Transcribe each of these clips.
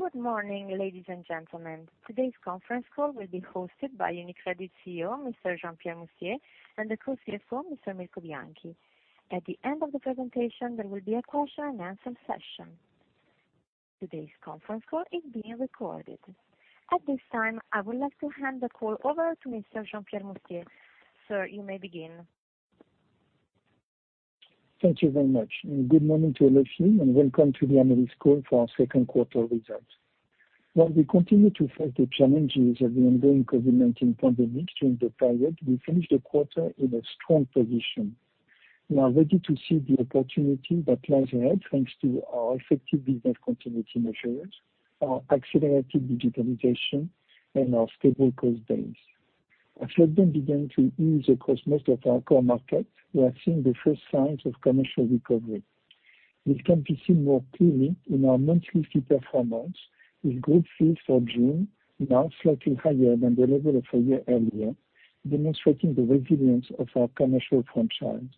Good morning, ladies and gentlemen. Today's conference call will be hosted by UniCredit CEO, Mr. Jean-Pierre Mustier, and the co-CFO, Mr. Mirko Bianchi. At the end of the presentation, there will be a question-and-answer session. Today's conference call is being recorded. At this time, I would like to hand the call over to Mr. Jean-Pierre Mustier. Sir, you may begin. Thank you very much, and good morning to all of you, and welcome to the analyst call for our second quarter results. While we continue to face the challenges of the ongoing COVID-19 pandemic during the period, we finished the quarter in a strong position. We are ready to seize the opportunity that lies ahead, thanks to our effective business continuity measures, our accelerated digitalization, and our stable cost base. As lockdowns began to ease across most of our core markets, we are seeing the first signs of commercial recovery. This can be seen more clearly in our monthly fee performance, with group fees for June now slightly higher than the level of a year earlier, demonstrating the resilience of our commercial franchise.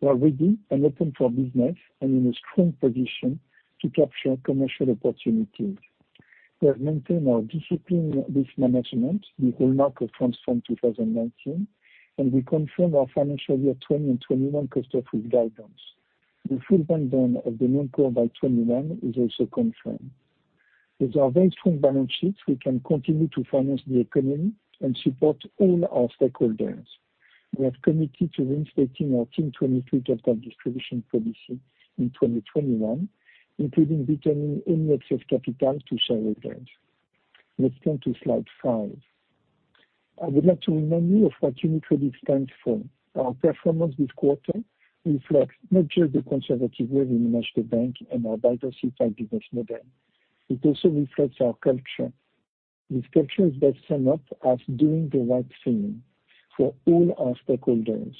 We are ready and open for business and in a strong position to capture commercial opportunities. We have maintained our disciplined risk management, the hallmark of Transform 2019, and we confirm our financial year 2020 and 2021 cost of risk guidance. The full rundown of the non-core by 2021 is also confirmed. With our very strong balance sheets, we can continue to finance the economy and support all our stakeholders. We have committed to reinstating our Team 23 capital distribution policy in 2021, including returning excess capital to shareholders. Let's turn to Slide five. I would like to remind you of what UniCredit stands for. Our performance this quarter reflects not just the conservative way we manage the bank and our diversified business model, it also reflects our culture. This culture is best sum up as doing the right thing for all our stakeholders,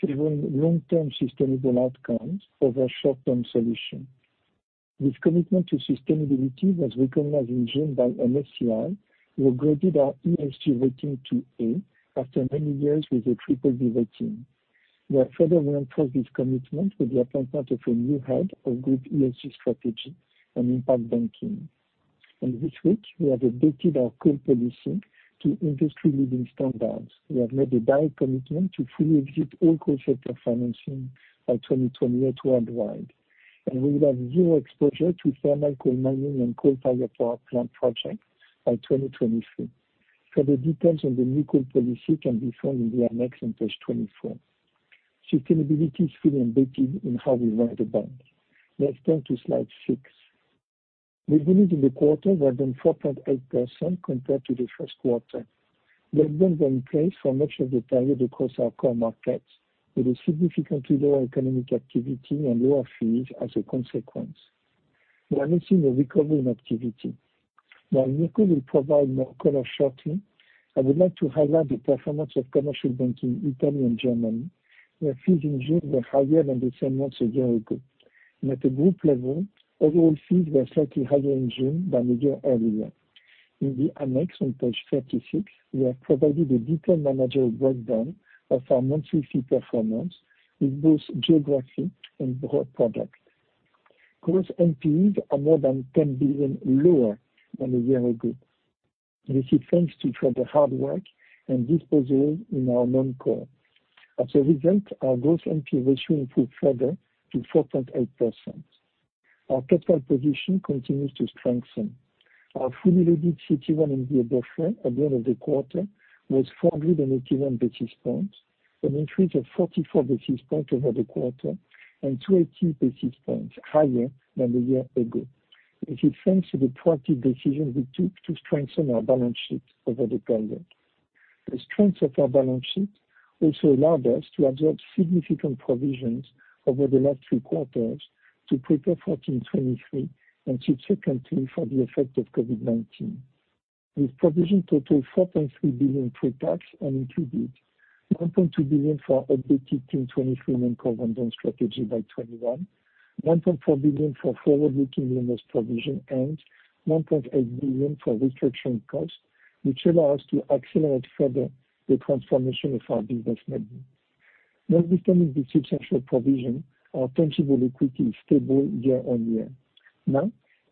favoring long-term sustainable outcomes over short-term solution. This commitment to sustainability was recognized in June by MSCI, who upgraded our ESG rating to A, after many years with a BBB rating. We have further reinforced this commitment with the appointment of a new head of Group ESG Strategy and Impact Banking. This week, we have updated our coal policy to industry-leading standards. We have made a direct commitment to fully exit all coal sector financing by 2020 worldwide. We will have zero exposure to thermal coal mining and coal power plant projects by 2023. Further details on the new coal policy can be found in the annex on Page 24. Sustainability is fully embedded in how we run the bank. Let's turn to Slide six. Revenues in the quarter were down 4.8% compared to the first quarter. Lockdowns were in place for much of the period across our core markets, with a significantly lower economic activity and lower fees as a consequence. We are now seeing a recovery in activity. While Mirko will provide more color shortly, I would like to highlight the performance of Commercial Banking Italy and Germany, where fees in June were higher than the same month a year ago. At the group level, overall fees were slightly higher in June than the year earlier. In the annex on Page 36, we have provided a detailed managerial breakdown of our monthly fee performance with both geography and broad product. Gross NPEs are more than 10 billion lower than a year ago. This is thanks to further hard work and disposals in our non-core. As a result, our gross NPE ratio improved further to 4.8%. Our capital position continues to strengthen. Our fully loaded CET1 in the buffer at the end of the quarter was 481 basis points, an increase of 44 basis points over the quarter and 218 basis points higher than the year-over-year. This is thanks to the proactive decisions we took to strengthen our balance sheet over the pandemic. The strength of our balance sheet also allowed us to absorb significant provisions over the last three quarters to prepare for Team 23, and subsequently, for the effect of COVID-19. These provisions total 4.3 billion pre-tax and include 1.2 billion for our updated Team 23 non-core rundown strategy by 2021, 1.4 billion for forward-looking IFRS 9 macro provision, and 1.8 billion for restructuring costs, which allow us to accelerate further the transformation of our business model. Notwithstanding the substantial provision, our tangible equity is stable year-over-year.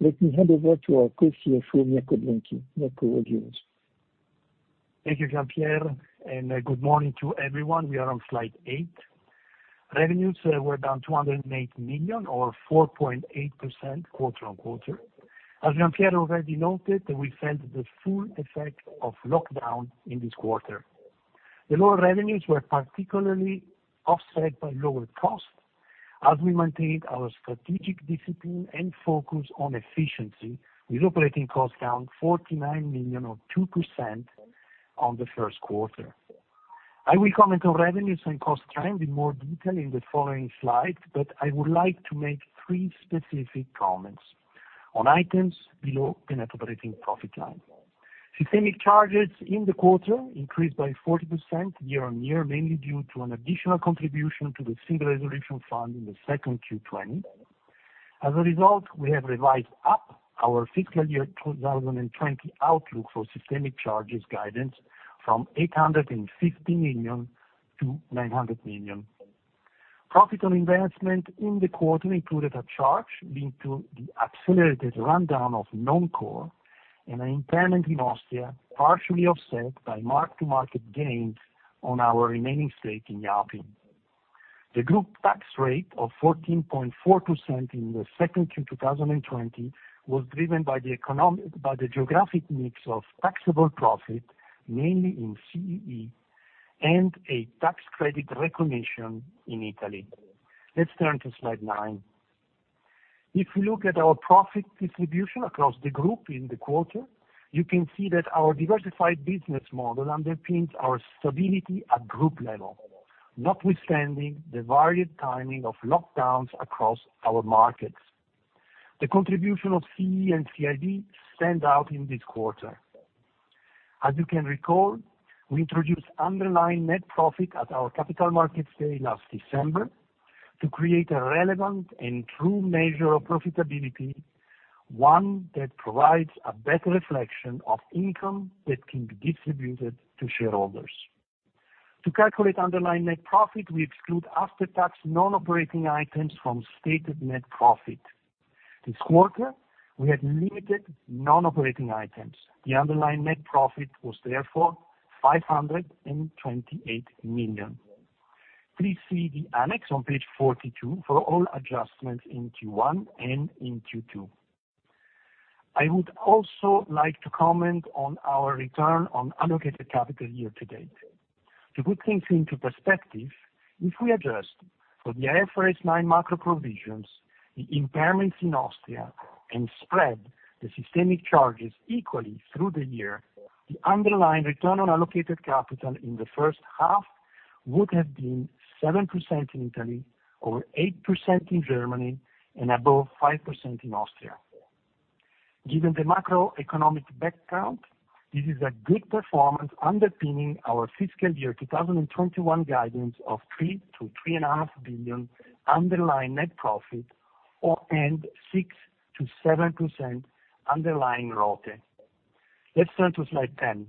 Let me hand over to our co-Chief Financial Officer, Mirko Bianchi. Mirko, over to you. Thank you, Jean-Pierre, and good morning to everyone. We are on Slide eight. Revenues were down 208 million or 4.8% quarter-on-quarter. As Jean-Pierre already noted, we felt the full effect of lockdown in this quarter. The lower revenues were particularly offset by lower costs as we maintained our strategic discipline and focus on efficiency, with operating costs down 49 million or 2% on the first quarter. I will comment on revenues and cost trend in more detail in the following slide. I would like to make three specific comments on items below the net operating profit line. Systemic charges in the quarter increased by 40% year-on-year, mainly due to an additional contribution to the Single Resolution Fund in the second Q20. As a result, we have revised up our fiscal year 2020 outlook for systemic charges guidance from 850 million to 900 million. Profit on investment in the quarter included a charge due to the accelerated rundown of non-core and an impairment in Austria, partially offset by mark-to-market gains on our remaining stake in Yapı. The group tax rate of 14.4% in the second Q2 2020 was driven by the geographic mix of taxable profit, mainly in CEE, and a tax credit recognition in Italy. Let's turn to Slide nine. If we look at our profit distribution across the group in the quarter, you can see that our diversified business model underpins our stability at group level, notwithstanding the varied timing of lockdowns across our markets. The contribution of CEE and CIB stands out in this quarter. As you can recall, we introduced underlying net profit at our Capital Markets Day last December to create a relevant and true measure of profitability, one that provides a better reflection of income that can be distributed to shareholders. To calculate underlying net profit, we exclude after-tax non-operating items from stated net profit. This quarter, we had limited non-operating items. The underlying net profit was therefore 528 million. Please see the annex on Page 42 for all adjustments in Q1 and in Q2. I would also like to comment on our return on allocated capital year to date. To put things into perspective, if we adjust for the IFRS 9 macro provisions, the impairments in Austria, and spread the systemic charges equally through the year, the underlying return on allocated capital in the first half would have been 7% in Italy, over 8% in Germany, and above 5% in Austria. Given the macroeconomic background, this is a good performance underpinning our FY 2021 guidance of 3 billion-3.5 billion underlying net profit and 6%-7% underlying ROTE. Let's turn to Slide 10.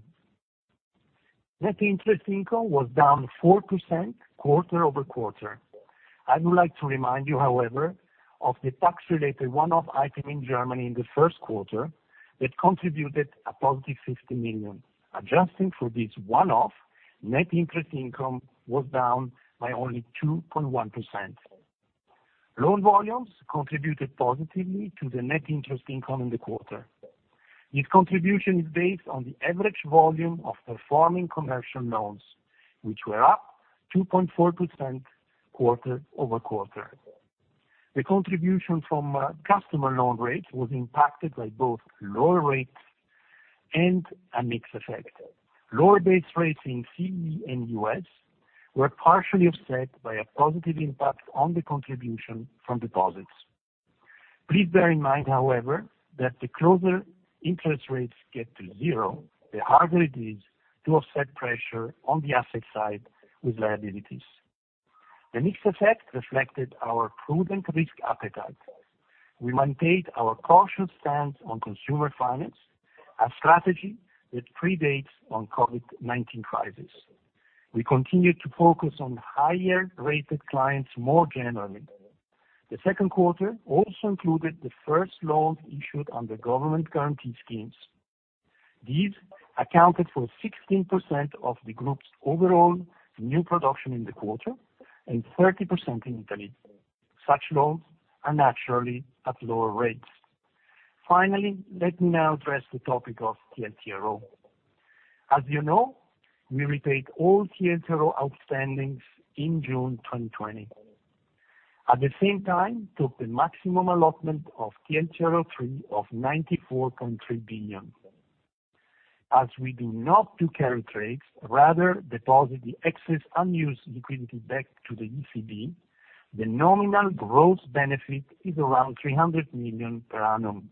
Net Interest Income was down 4% quarter-over-quarter. I would like to remind you, however, of the tax-related one-off item in Germany in the first quarter that contributed a +50 million. Adjusting for this one-off, Net Interest Income was down by only 2.1%. Loan volumes contributed positively to the Net Interest Income in the quarter. This contribution is based on the average volume of performing commercial loans, which were up 2.4% quarter-over-quarter. The contribution from customer loan rates was impacted by both lower rates and a mix effect. Lower base rates in CEE and U.S. were partially offset by a positive impact on the contribution from deposits. Please bear in mind, however, that the closer interest rates get to zero, the harder it is to offset pressure on the asset side with liabilities. The mix effect reflected our prudent risk appetite. We maintained our cautious stance on consumer finance, a strategy that predates on COVID-19 crisis. We continue to focus on higher-rated clients more generally. The second quarter also included the first loans issued under government guarantee schemes. These accounted for 16% of the group's overall new production in the quarter and 30% in Italy. Such loans are naturally at lower rates. Finally, let me now address the topic of TLTRO. As you know, we repaid all TLTRO outstandings in June 2020. At the same time, we took the maximum allotment of TLTRO III of 94.3 billion. We do not do carry trades, rather deposit the excess unused liquidity back to the ECB, the nominal gross benefit is around 300 million per annum.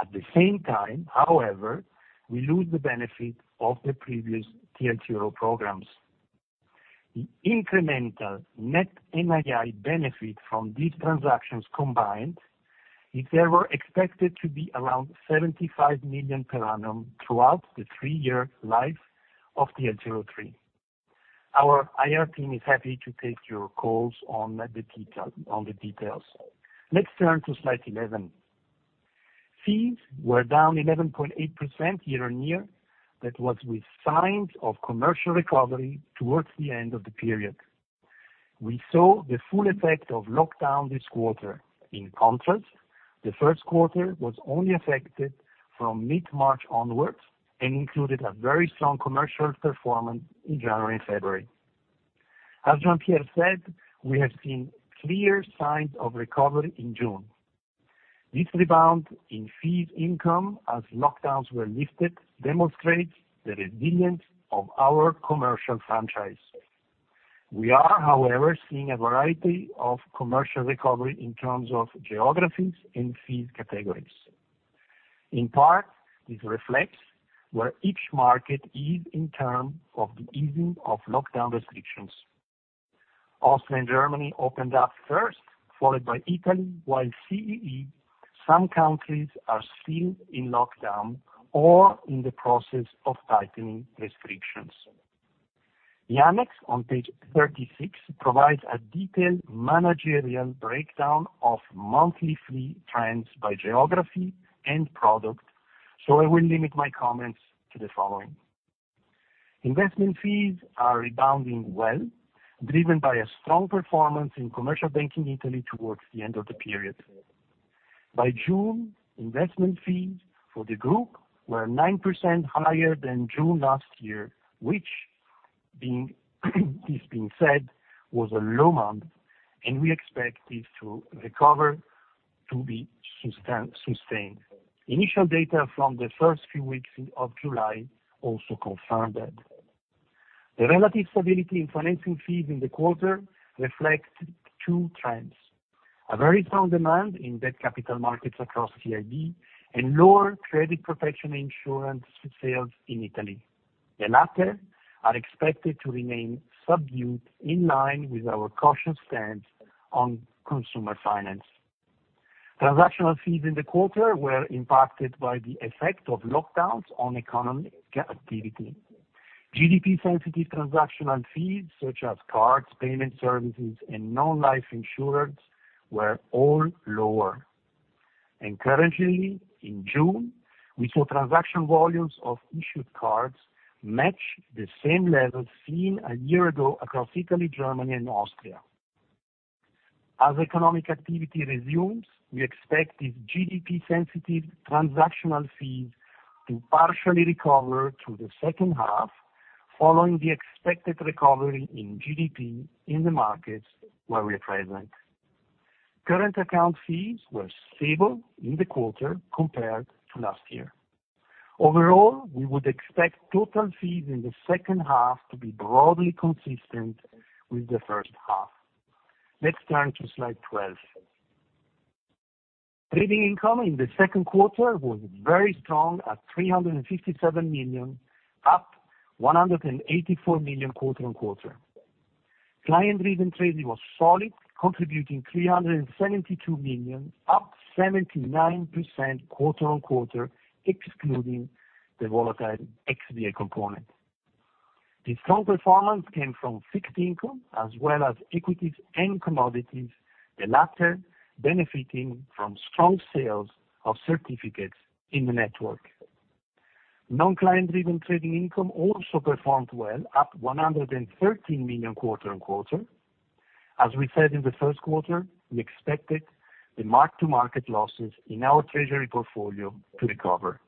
At the same time, however, we lose the benefit of the previous TLTRO programs. The incremental net NII benefit from these transactions combined is, therefore, expected to be around 75 million per annum throughout the three-year life of TLTRO III. Our IR team is happy to take your calls on the details. Let's turn to Slide 11. Fees were down 11.8% year-over-year. That was with signs of commercial recovery towards the end of the period. We saw the full effect of lockdown this quarter. In contrast, the first quarter was only affected from mid-March onwards and included a very strong commercial performance in January and February. As Jean-Pierre said, we have seen clear signs of recovery in June. This rebound in fee income as lockdowns were lifted demonstrates the resilience of our commercial franchise. We are, however, seeing a variety of commercial recovery in terms of geographies and fee categories. In part, this reflects where each market is in terms of the easing of lockdown restrictions. Austria and Germany opened up first, followed by Italy, while CEE, some countries are still in lockdown or in the process of tightening restrictions. The annex on Page 36 provides a detailed managerial breakdown of monthly fee trends by geography and product. I will limit my comments to the following. Investment fees are rebounding well, driven by a strong performance in Commercial Banking Italy towards the end of the period. By June, investment fees for the group were 9% higher than June last year, which, this being said, was a low month. We expect this to recover to be sustained. Initial data from the first few weeks of July also confirmed that. The relative stability in financing fees in the quarter reflect two trends: a very strong demand in debt capital markets across CIB and lower credit protection insurance sales in Italy. The latter are expected to remain subdued, in line with our cautious stance on consumer finance. Transactional fees in the quarter were impacted by the effect of lockdowns on economic activity. GDP-sensitive transactional fees, such as cards, payment services, and non-life insurance, were all lower. Encouragingly, in June, we saw transaction volumes of issued cards match the same levels seen a year ago across Italy, Germany, and Austria. As economic activity resumes, we expect these GDP-sensitive transactional fees to partially recover through the second half, following the expected recovery in GDP in the markets where we're present. Current account fees were stable in the quarter compared to last year. Overall, we would expect total fees in the second half to be broadly consistent with the first half. Let's turn to Slide 12. Trading income in the second quarter was very strong at 357 million, up 184 million quarter-on-quarter. Client-driven trading was solid, contributing 372 million, up 79% quarter-on-quarter, excluding the volatile XVA component. The strong performance came from fixed income as well as equities and commodities, the latter benefiting from strong sales of certificates in the network. Non-client driven trading income also performed well, up 113 million quarter-on-quarter. As we said in the first quarter, we expected the mark-to-market losses in our treasury portfolio to recover.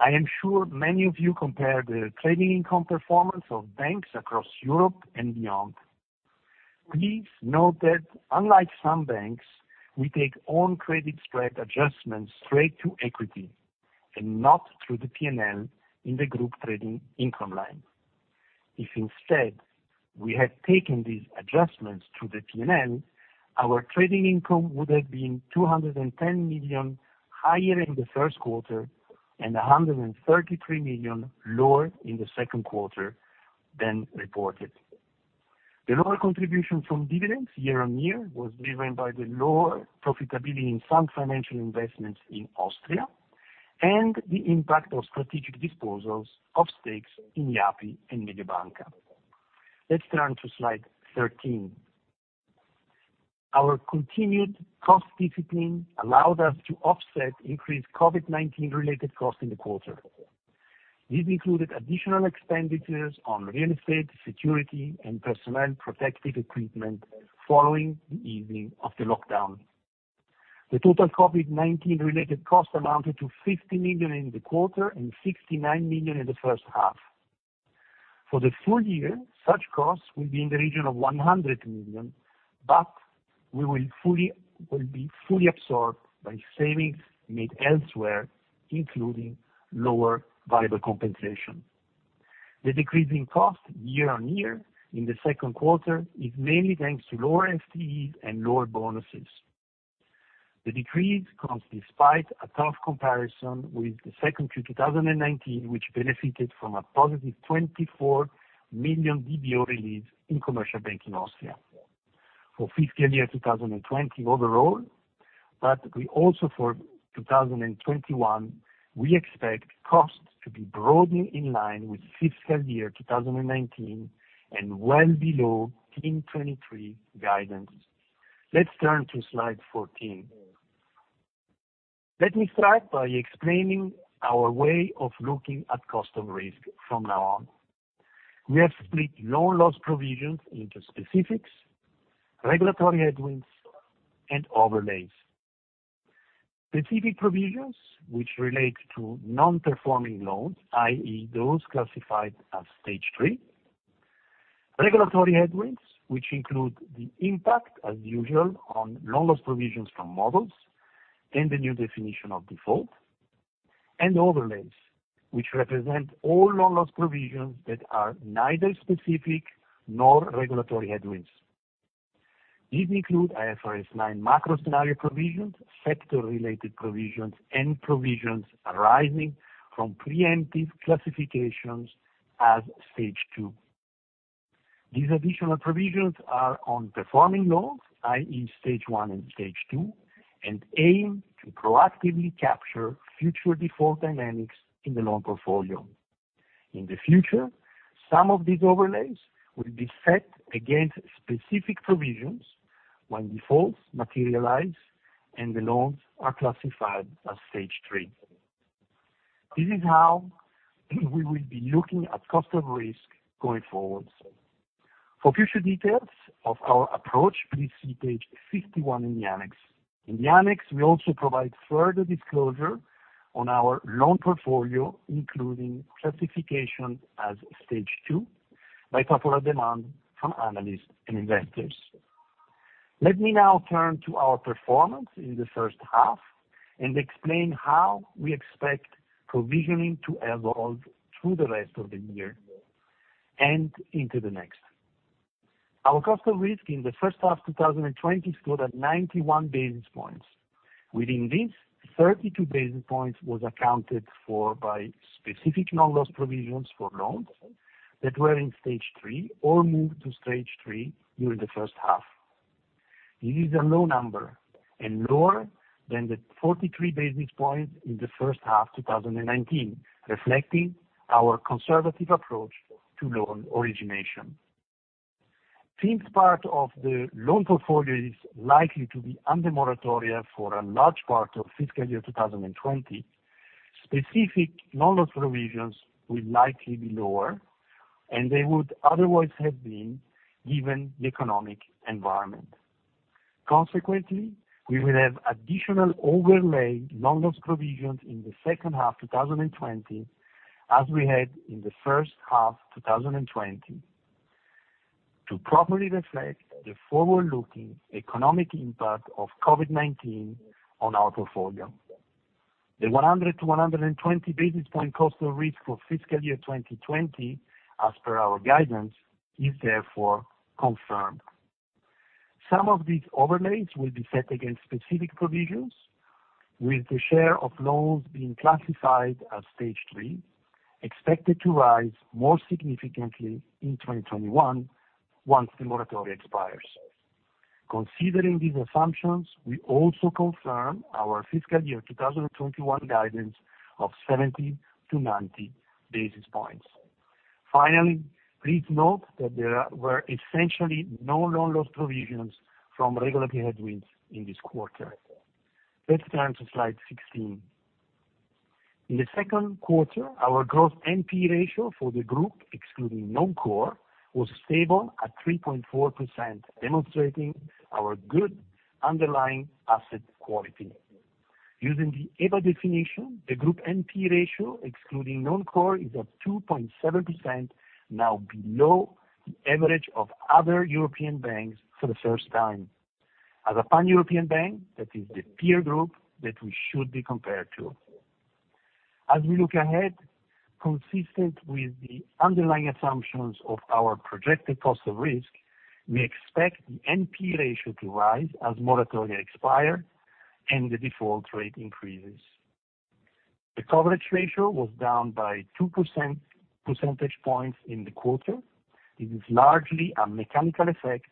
I am sure many of you compare the trading income performance of banks across Europe and beyond. Please note that unlike some banks, we take own credit spread adjustments straight to equity and not through the P&L in the group trading income line. If instead, we had taken these adjustments to the P&L, our trading income would have been 210 million higher in the first quarter and 133 million lower in the second quarter than reported. The lower contribution from dividends year-on-year was driven by the lower profitability in some financial investments in Austria and the impact of strategic disposals of stakes in Yapı and Mediobanca. Let's turn to Slide 13. Our continued cost discipline allowed us to offset increased COVID-19 related costs in the quarter. These included additional expenditures on real estate, security, and personal protective equipment following the easing of the lockdown. The total COVID-19 related cost amounted to 50 million in the quarter and 69 million in the first half. For the full-year, such costs will be in the region of 100 million, will be fully absorbed by savings made elsewhere, including lower variable compensation. The decrease in cost year-on-year in the second quarter is mainly thanks to lower FTEs and lower bonuses. The decrease comes despite a tough comparison with the second Q 2019, which benefited from a +24 million DBO release in Commercial Banking Austria. For fiscal year 2020 overall, also for 2021, we expect costs to be broadly in line with fiscal year 2019 and well below Team 23 guidance. Let's turn to Slide 14. Let me start by explaining our way of looking at cost of risk from now on. We have split loan loss provisions into specifics, regulatory headwinds, and overlays. Specific provisions, which relate to non-performing loans, i.e., those classified as Stage 3. Regulatory headwinds, which include the impact, as usual, on loan loss provisions from models and the new definition of default, and overlays, which represent all loan loss provisions that are neither specific nor regulatory headwinds. These include IFRS 9 macro-scenario provisions, sector-related provisions, and provisions arising from preemptive classifications as Stage 2. These additional provisions are on performing loans, i.e. Stage 1 and Stage 2, and aim to proactively capture future default dynamics in the loan portfolio. In the future, some of these overlays will be set against specific provisions when defaults materialize and the loans are classified as Stage 3. This is how we will be looking at cost of risk going forward. For future details of our approach, please see Page 51 in the annex. In the annex, we also provide further disclosure on our loan portfolio, including classification as Stage 2 by popular demand from analysts and investors. Let me now turn to our performance in the first half and explain how we expect provisioning to evolve through the rest of the year and into the next. Our cost of risk in the first half of 2020 stood at 91 basis points. Within this, 32 basis points was accounted for by specific loan loss provisions for loans that were in Stage 3 or moved to Stage 3 during the first half. It is a low number and lower than the 43 basis points in the first half 2019, reflecting our conservative approach to loan origination. Since part of the loan portfolio is likely to be under moratoria for a large part of fiscal year 2020, specific loan loss provisions will likely be lower, and they would otherwise have been, given the economic environment. We will have additional overlay loan loss provisions in the second half 2020, as we had in the first half 2020, to properly reflect the forward-looking economic impact of COVID-19 on our portfolio. The 100-120 basis point cost of risk for fiscal year 2020, as per our guidance, is therefore confirmed. Some of these overlays will be set against specific provisions, with the share of loans being classified as Stage 3 expected to rise more significantly in 2021 once the moratoria expires. Considering these assumptions, we also confirm our fiscal year 2021 guidance of 70 basis points-90 basis points. Finally, please note that there were essentially no loan loss provisions from regulatory headwinds in this quarter. Let's turn to Slide 16. In the second quarter, our gross NPE ratio for the group, excluding non-core, was stable at 3.4%, demonstrating our good underlying asset quality. Using the EBA definition, the group NPE ratio, excluding non-core, is at 2.7%, now below the average of other European banks for the first time. As a pan-European bank, that is the peer group that we should be compared to. As we look ahead, consistent with the underlying assumptions of our projected cost of risk, we expect the NPE ratio to rise as moratoria expire and the default rate increases. The coverage ratio was down by 2% percentage points in the quarter. It is largely a mechanical effect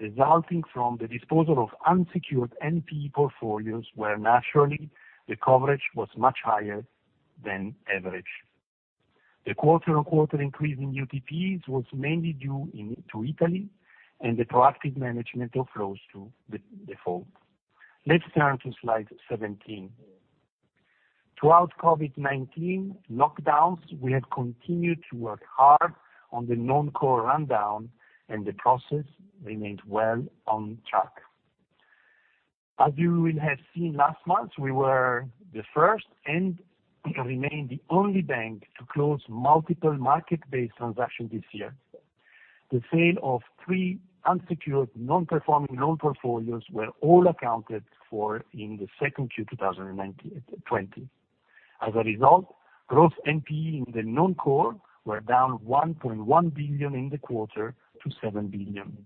resulting from the disposal of unsecured NPE portfolios, where naturally, the coverage was much higher than average. The quarter-on-quarter increase in UTPs was mainly due to Italy and the proactive management of flows to default. Let's turn to Slide 17. Throughout COVID-19 lockdowns, we have continued to work hard on the non-core rundown, and the process remains well on track. As you will have seen last month, we were the first, and we remain the only bank to close multiple market-based transactions this year. The sale of three unsecured non-performing loan portfolios were all accounted for in the second Q 2020. As a result, gross NPE in the non-core were down 1.1 billion in the quarter to 7 billion.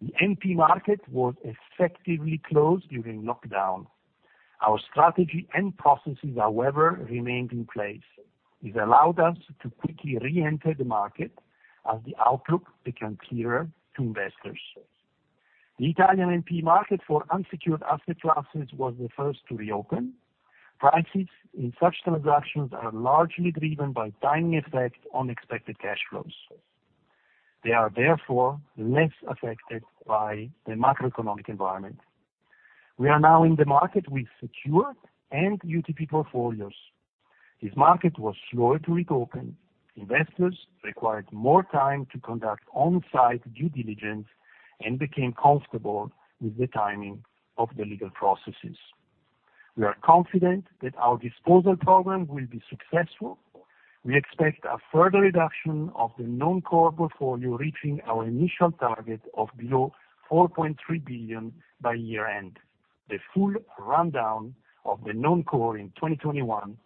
The NPE market was effectively closed during lockdown. Our strategy and processes, however, remained in place. It allowed us to quickly re-enter the market as the outlook became clearer to investors. The Italian NPE market for unsecured asset classes was the first to reopen. Prices in such transactions are largely driven by timing effects on expected cash flows. They are therefore less affected by the macroeconomic environment. We are now in the market with secured and UTP portfolios. This market was slow to reopen. Investors required more time to conduct on-site due diligence and became comfortable with the timing of the legal processes. We are confident that our disposal program will be successful. We expect a further reduction of the non-core portfolio, reaching our initial target of below 4.3 billion by year-end. The full rundown of the non-core in 2021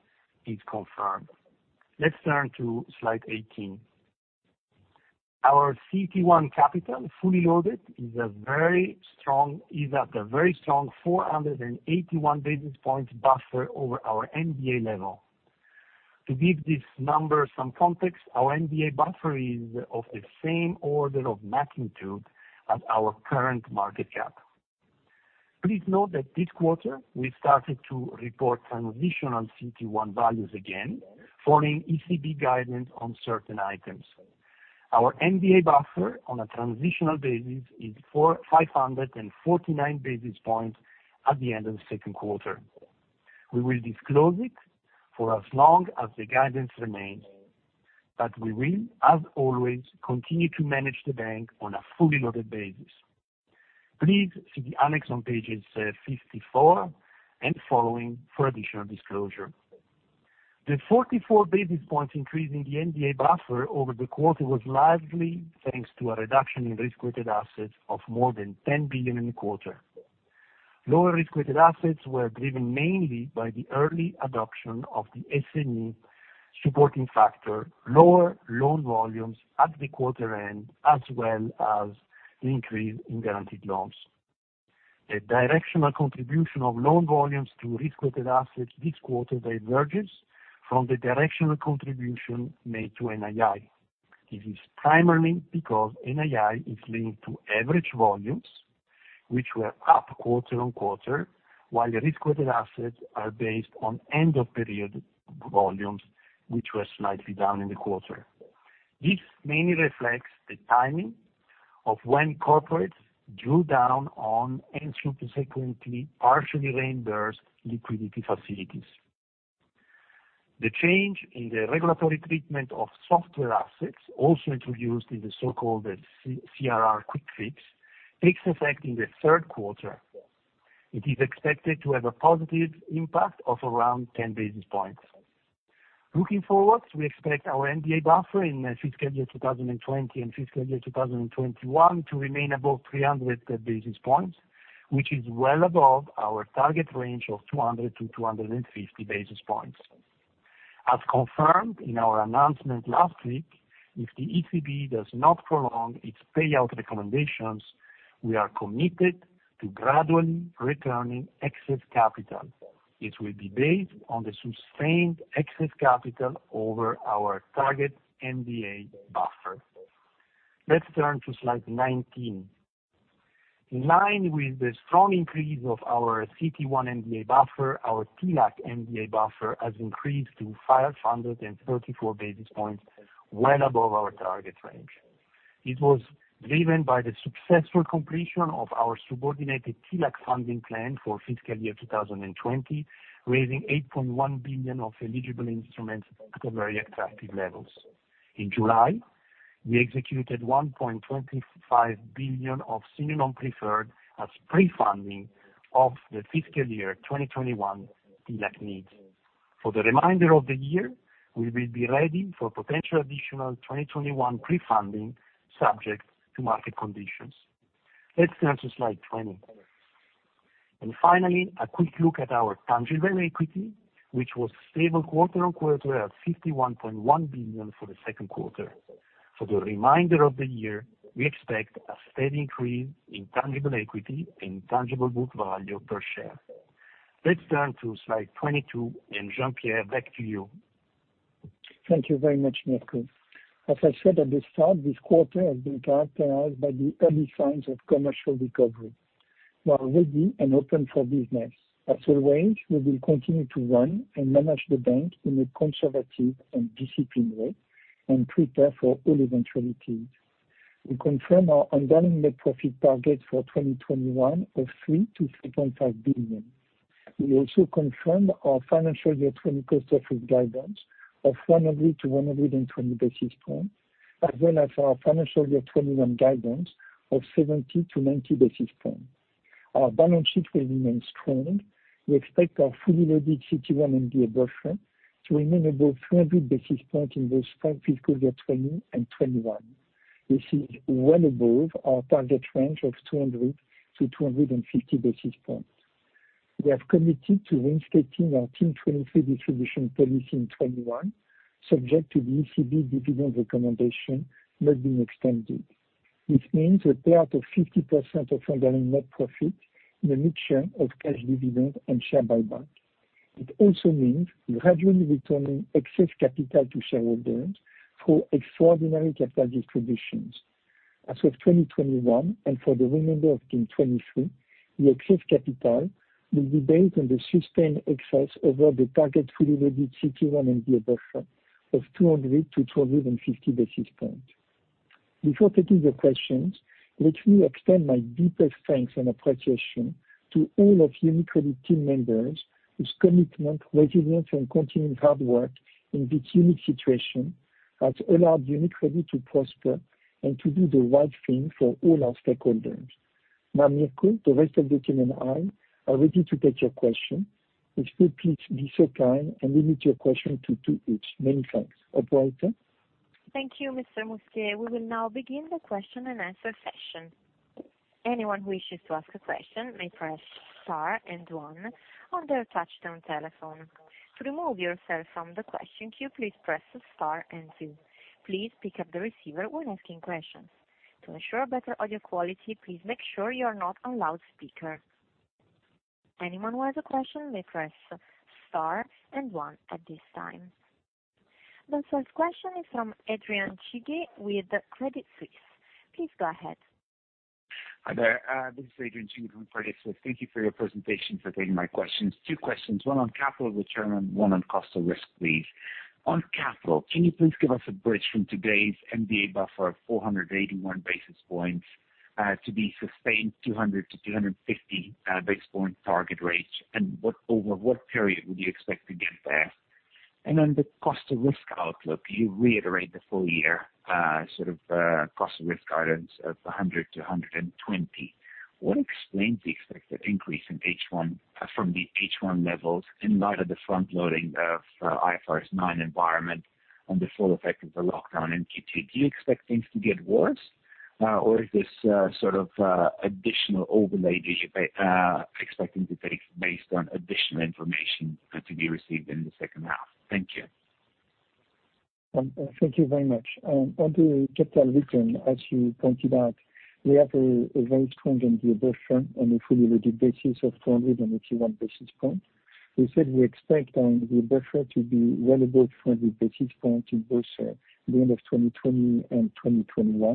is confirmed. Let's turn to Slide 18. Our CET1 capital, fully loaded, is at a very strong 481 basis points buffer over our MDA level. To give this number some context, our MDA buffer is of the same order of magnitude as our current market cap. Please note that this quarter, we started to report transitional CET1 values again, following ECB guidance on certain items. Our MDA buffer on a transitional basis is 549 basis points at the end of the second quarter. We will disclose it for as long as the guidance remains, but we will, as always, continue to manage the bank on a fully loaded basis. Please see the annex on Pages 54 and following for additional disclosure. The 44 basis points increase in the MDA buffer over the quarter was largely thanks to a reduction in risk-weighted assets of more than 10 billion in the quarter. Lower risk-weighted assets were driven mainly by the early adoption of the SME supporting factor, lower loan volumes at the quarter end, as well as the increase in guaranteed loans. The directional contribution of loan volumes to risk-weighted assets this quarter diverges from the directional contribution made to NII. This is primarily because NII is linked to average volumes, which were up quarter-on-quarter, while the risk-weighted assets are based on end-of-period volumes, which were slightly down in the quarter. This mainly reflects the timing of when corporates drew down on and subsequently partially reimbursed liquidity facilities. The change in the regulatory treatment of software assets, also introduced in the so-called CRR quick fix, takes effect in the third quarter. It is expected to have a positive impact of around 10 basis points. Looking forward, we expect our MDA buffer in fiscal year 2020 and fiscal year 2021 to remain above 300 basis points, which is well above our target range of 200 basis points-250 basis points. As confirmed in our announcement last week, if the ECB does not prolong its payout recommendations, we are committed to gradually returning excess capital. This will be based on the sustained excess capital over our target MDA buffer. Let's turn to Slide 19. In line with the strong increase of our CET1 MDA buffer, our TLAC MDA buffer has increased to 534 basis points, well above our target range. It was driven by the successful completion of our subordinated TLAC funding plan for fiscal year 2020, raising 8.1 billion of eligible instruments at very attractive levels. In July, we executed 1.25 billion of senior non-preferred as pre-funding of the fiscal year 2021 TLAC needs. For the remainder of the year, we will be ready for potential additional 2021 pre-funding subject to market conditions. Let's turn to Slide 20. Finally, a quick look at our tangible equity, which was stable quarter-over-quarter at 51.1 billion for the second quarter. For the remainder of the year, we expect a steady increase in tangible equity and tangible book value per share. Let's turn to Slide 22, and Jean-Pierre, back to you. Thank you very much, Mirko. As I said at the start, this quarter has been characterized by the early signs of commercial recovery. We are ready and open for business. As always, we will continue to run and manage the bank in a conservative and disciplined way and prepare for all eventualities. We confirm our underlying net profit target for 2021 of 3 billion- 3.5 billion. We also confirm our financial year '20 cost of risk guidance of 100 to 120 basis points, as well as our financial year 2021 guidance of 70 basis points-90 basis points. Our balance sheet will remain strong. We expect our fully loaded CET1 MDA buffer to remain above 300 basis points in both full fiscal year 2020 and 2021, which is well above our target range of 200 basis points-250 basis points. We have committed to reinstating our Team 23 distribution policy in 2021, subject to the ECB dividend recommendation not being extended. This means a payout of 50% of underlying net profit in the mixture of cash dividend and share buyback. It also means gradually returning excess capital to shareholders through extraordinary capital distributions. As of 2021, and for the remainder of Team 23, the excess capital will be based on the sustained excess over the target fully loaded CET1 MDA buffer of 200 basis points-250 basis points. Before taking the questions, let me extend my deepest thanks and appreciation to all of UniCredit team members whose commitment, resilience, and continued hard work in this unique situation has allowed UniCredit to prosper and to do the right thing for all our stakeholders. Now Mirko, the rest of the team and I are ready to take your questions. If you please be so kind and limit your question to two each. Many thanks. Operator. Thank you, Mr. Mustier. We will now begin the question-and-answer session. Anyone who wishes to ask a question may press star and one on their touchtone telephone. To remove yourself from the question queue, please press star and two. Please pick up the receiver when asking questions. To ensure better audio quality, please make sure you are not on loudspeaker. Anyone who has a question may press Star and one at this time. The first question is from Adrian Cighi with Credit Suisse. Please go ahead. Hi there. This is Adrian Cighi from Credit Suisse. Thank you for your presentation, for taking my questions. Two questions, one on capital return and one on cost of risk, please. On capital, can you please give us a bridge from today's MDA buffer of 481 basis points to the sustained 200 basis points-250 basis points target range? over what period would you expect to get there? on the cost of risk outlook, you reiterate the full-year sort of cost of risk guidance of 100-120. What explains the expected increase from the H1 levels in light of the front-loading of IFRS 9 environment and the full effect of the lockdown in Q2? Do you expect things to get worse, or is this sort of additional overlay that you're expecting to take based on additional information to be received in the second half? Thank you. Thank you very much. On the capital return, as you pointed out, we have a very strong MDA buffer on a fully loaded basis of 481 basis points. We said we expect the buffer to be well above 400 basis points in both the end of 2020 and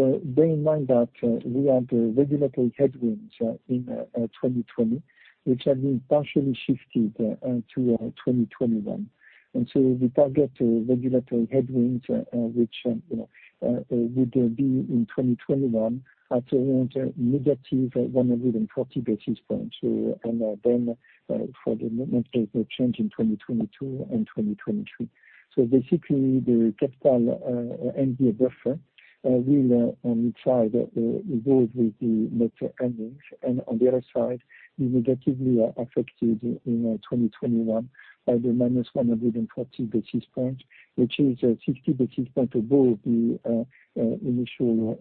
2021. Bear in mind that we had regulatory headwinds in 2020, which have been partially shifted to 2021. The target regulatory headwinds, which would be in 2021, are around -140 basis points, and then for the net change in 2022 and 2023. Basically, the capital MDA buffer will, on one side, go with the net earnings. On the other side, we negatively are affected in 2021 by the -140 basis points, which is 100 basis points above the initial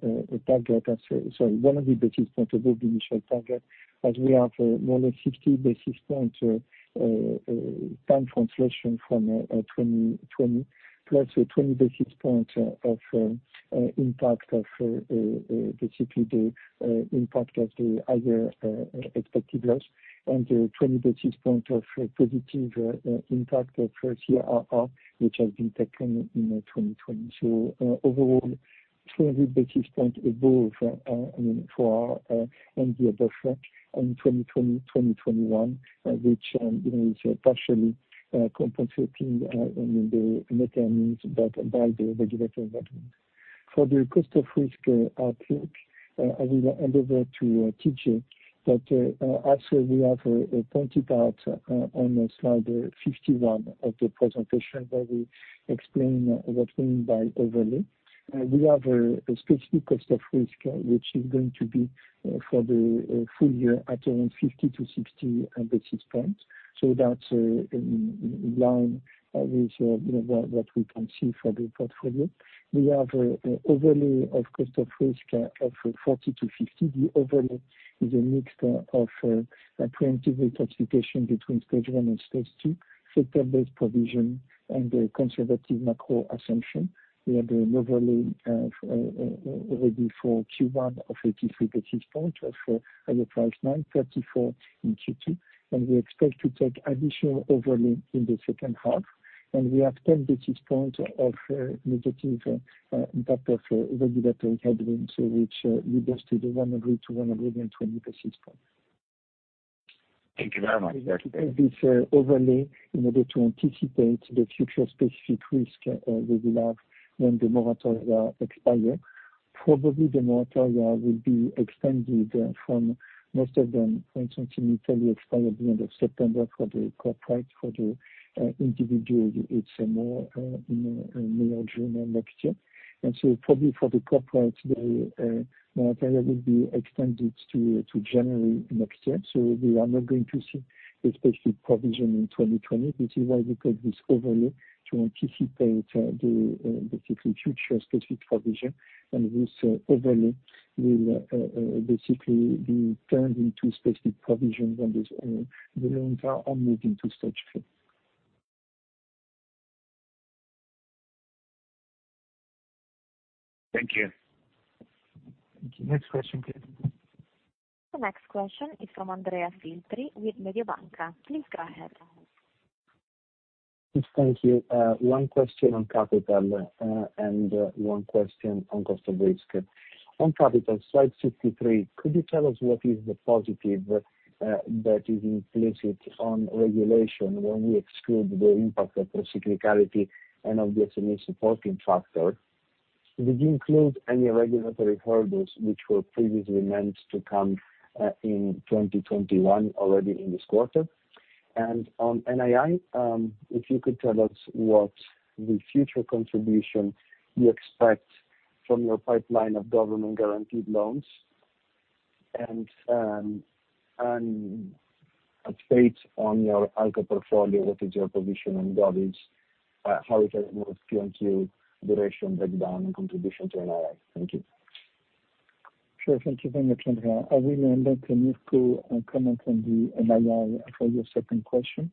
target, as we have more than 60 basis points time translation from 2020, +20 basis points of impact of basically the impact of the higher expected loss, and 20 basis points of positive impact of CRR which has been taken in 2020. Overall, 200 basis points above for our MDA buffer in 2020, 2021, which is partially compensating the net earnings backed by the regulatory environment. For the cost of risk outlook, I will hand over to TJ, but as we have pointed out on Slide 51 of the presentation where we explain what we mean by overlay. We have a strategic cost of risk which is going to be for the full-year at around 50 basis points-60 basis points. That's in line with what we can see for the portfolio. We have an overlay of cost of risk of 40-50. The overlay is a mixture of preemptive reclassification between Stage 1 and Stage 2, sector-based provision, and a conservative macro assumption. We have an overlay already for Q1 of 83 basis points as for IFRS 9, 34 in Q2, and we expect to take additional overlay in the second half. We have 10 basis points of negative impact of regulatory headwinds, which reduced to the 100 basis points-120 basis points. Thank you very much. This overlay in order to anticipate the future specific risk we will have when the moratoria expire. Probably the moratoria will be extended from most of them. For instance, in Italy, expire at the end of September for the corporate, for the individual, it's more May or June next year. Probably for the corporate, the moratoria will be extended to January next year. We are not going to see a specific provision in 2020, which is why we take this overlay to anticipate the basically future specific provision. This overlay will basically be turned into specific provisions when these loans are all moved into Stage 3. Thank you. Thank you. Next question, please. The next question is from Andrea Filtri with Mediobanca. Please go ahead. Yes, thank you. One question on capital and one question on cost of risk. On capital, Slide 53, could you tell us what is the positive that is implicit on regulation when we exclude the impact of procyclicality and obviously new supporting factor? On NII, if you could tell us what the future contribution you expect from your pipeline of government-guaranteed loans, and an update on your ALCO portfolio, what is your position on guidance, how it has moved P&L, duration breakdown, and contribution to NII. Thank you. Sure. Thank you very much, Andrea. I will invite Nico to comment on the NII for your second question.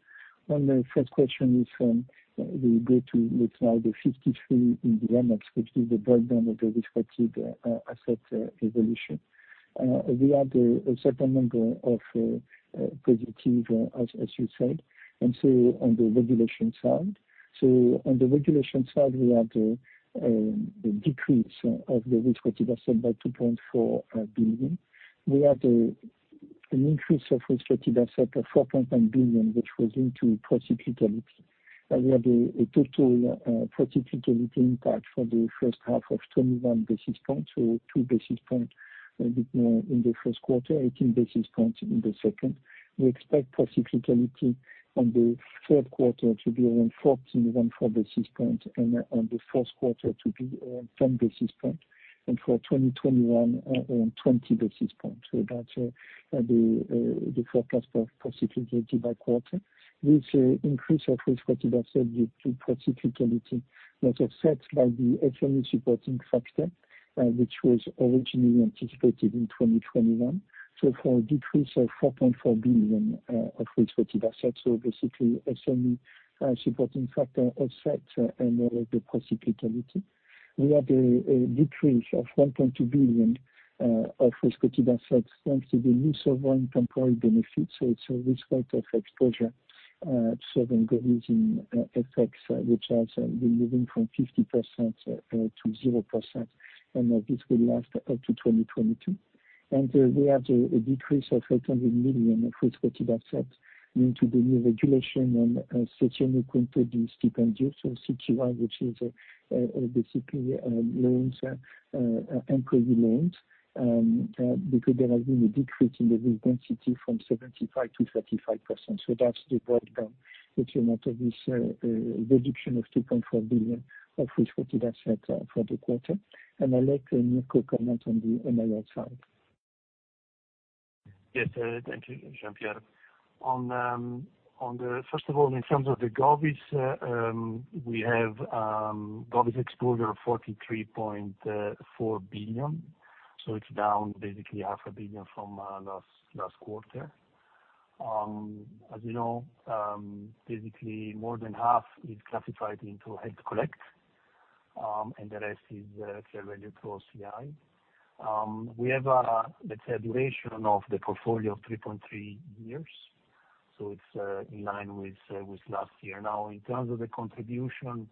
On the first question is from, we go to what's now the 53 in the remarks, which is the breakdown of the risk-weighted asset evolution. We had a certain number of positive, as you said, and so on the regulation side, we had a decrease of the risk-weighted asset by 2.4 billion. We had an increase of risk-weighted asset of 4.9 billion, which was into procyclicality. We had a total procyclicality impact for the first half of 21 basis points. Two basis points a bit more in the first quarter, 18 basis points in the second. We expect procyclicality on the third quarter to be around 14, around 14 basis points, and on the first quarter to be around 10 basis points, and for 2021, around 20 basis points. that's the forecast for procyclicality by quarter. This increase of risk-weighted asset due to procyclicality was offset by the SME supporting factor, which was originally anticipated in 2021. for a decrease of 4.4 billion of risk-weighted assets. basically, SME supporting factor offset the procyclicality. We had a decrease of 1.2 billion of risk-weighted assets thanks to the use of one temporary benefit. it's a result of exposure, serving GOVs in FX, which has been moving from 50%-0%, and this will last up to 2022. we have the decrease of 800 million of risk-weighted assets linked to the new regulation on systemically important institutions CET1, which is basically loans, and private loans, because there has been a decrease in the risk density from 75%-35%. That's the breakdown, the amount of this reduction of 2.4 billion of risk-weighted asset for the quarter. I'll let Mirko comment on the NII side. Yes, thank you, Jean-Pierre. First of all, in terms of the GOVs, we have GOVs exposure of 43.4 billion. It's down basically half a billion from last quarter. As you know, basically more than half is classified into hold to collect, and the rest is classified into OCI. We have a, let's say, duration of the portfolio of 3.3 years, so it's in line with last year. Now, in terms of contribution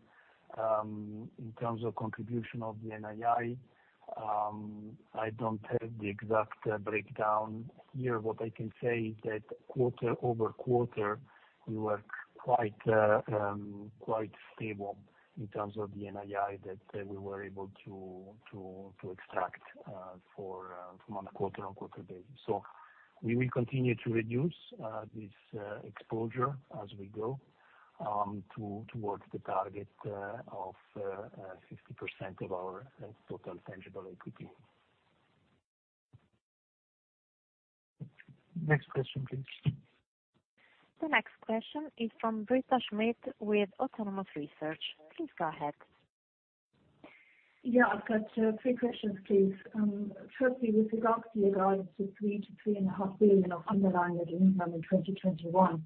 of the NII, I don't have the exact breakdown here. What I can say is that quarter-over-quarter, we were quite stable in terms of the NII that we were able to extract from on a quarter-on-quarter basis. We will continue to reduce this exposure as we go towards the target of 50% of our total tangible equity. Next question, please. The next question is from Britta Schmidt with Autonomous Research. Please go ahead. Yeah, I've got three questions, please. Firstly, with regard to your guidance of 3 billion-3.5 billion of underlying net income in 2021,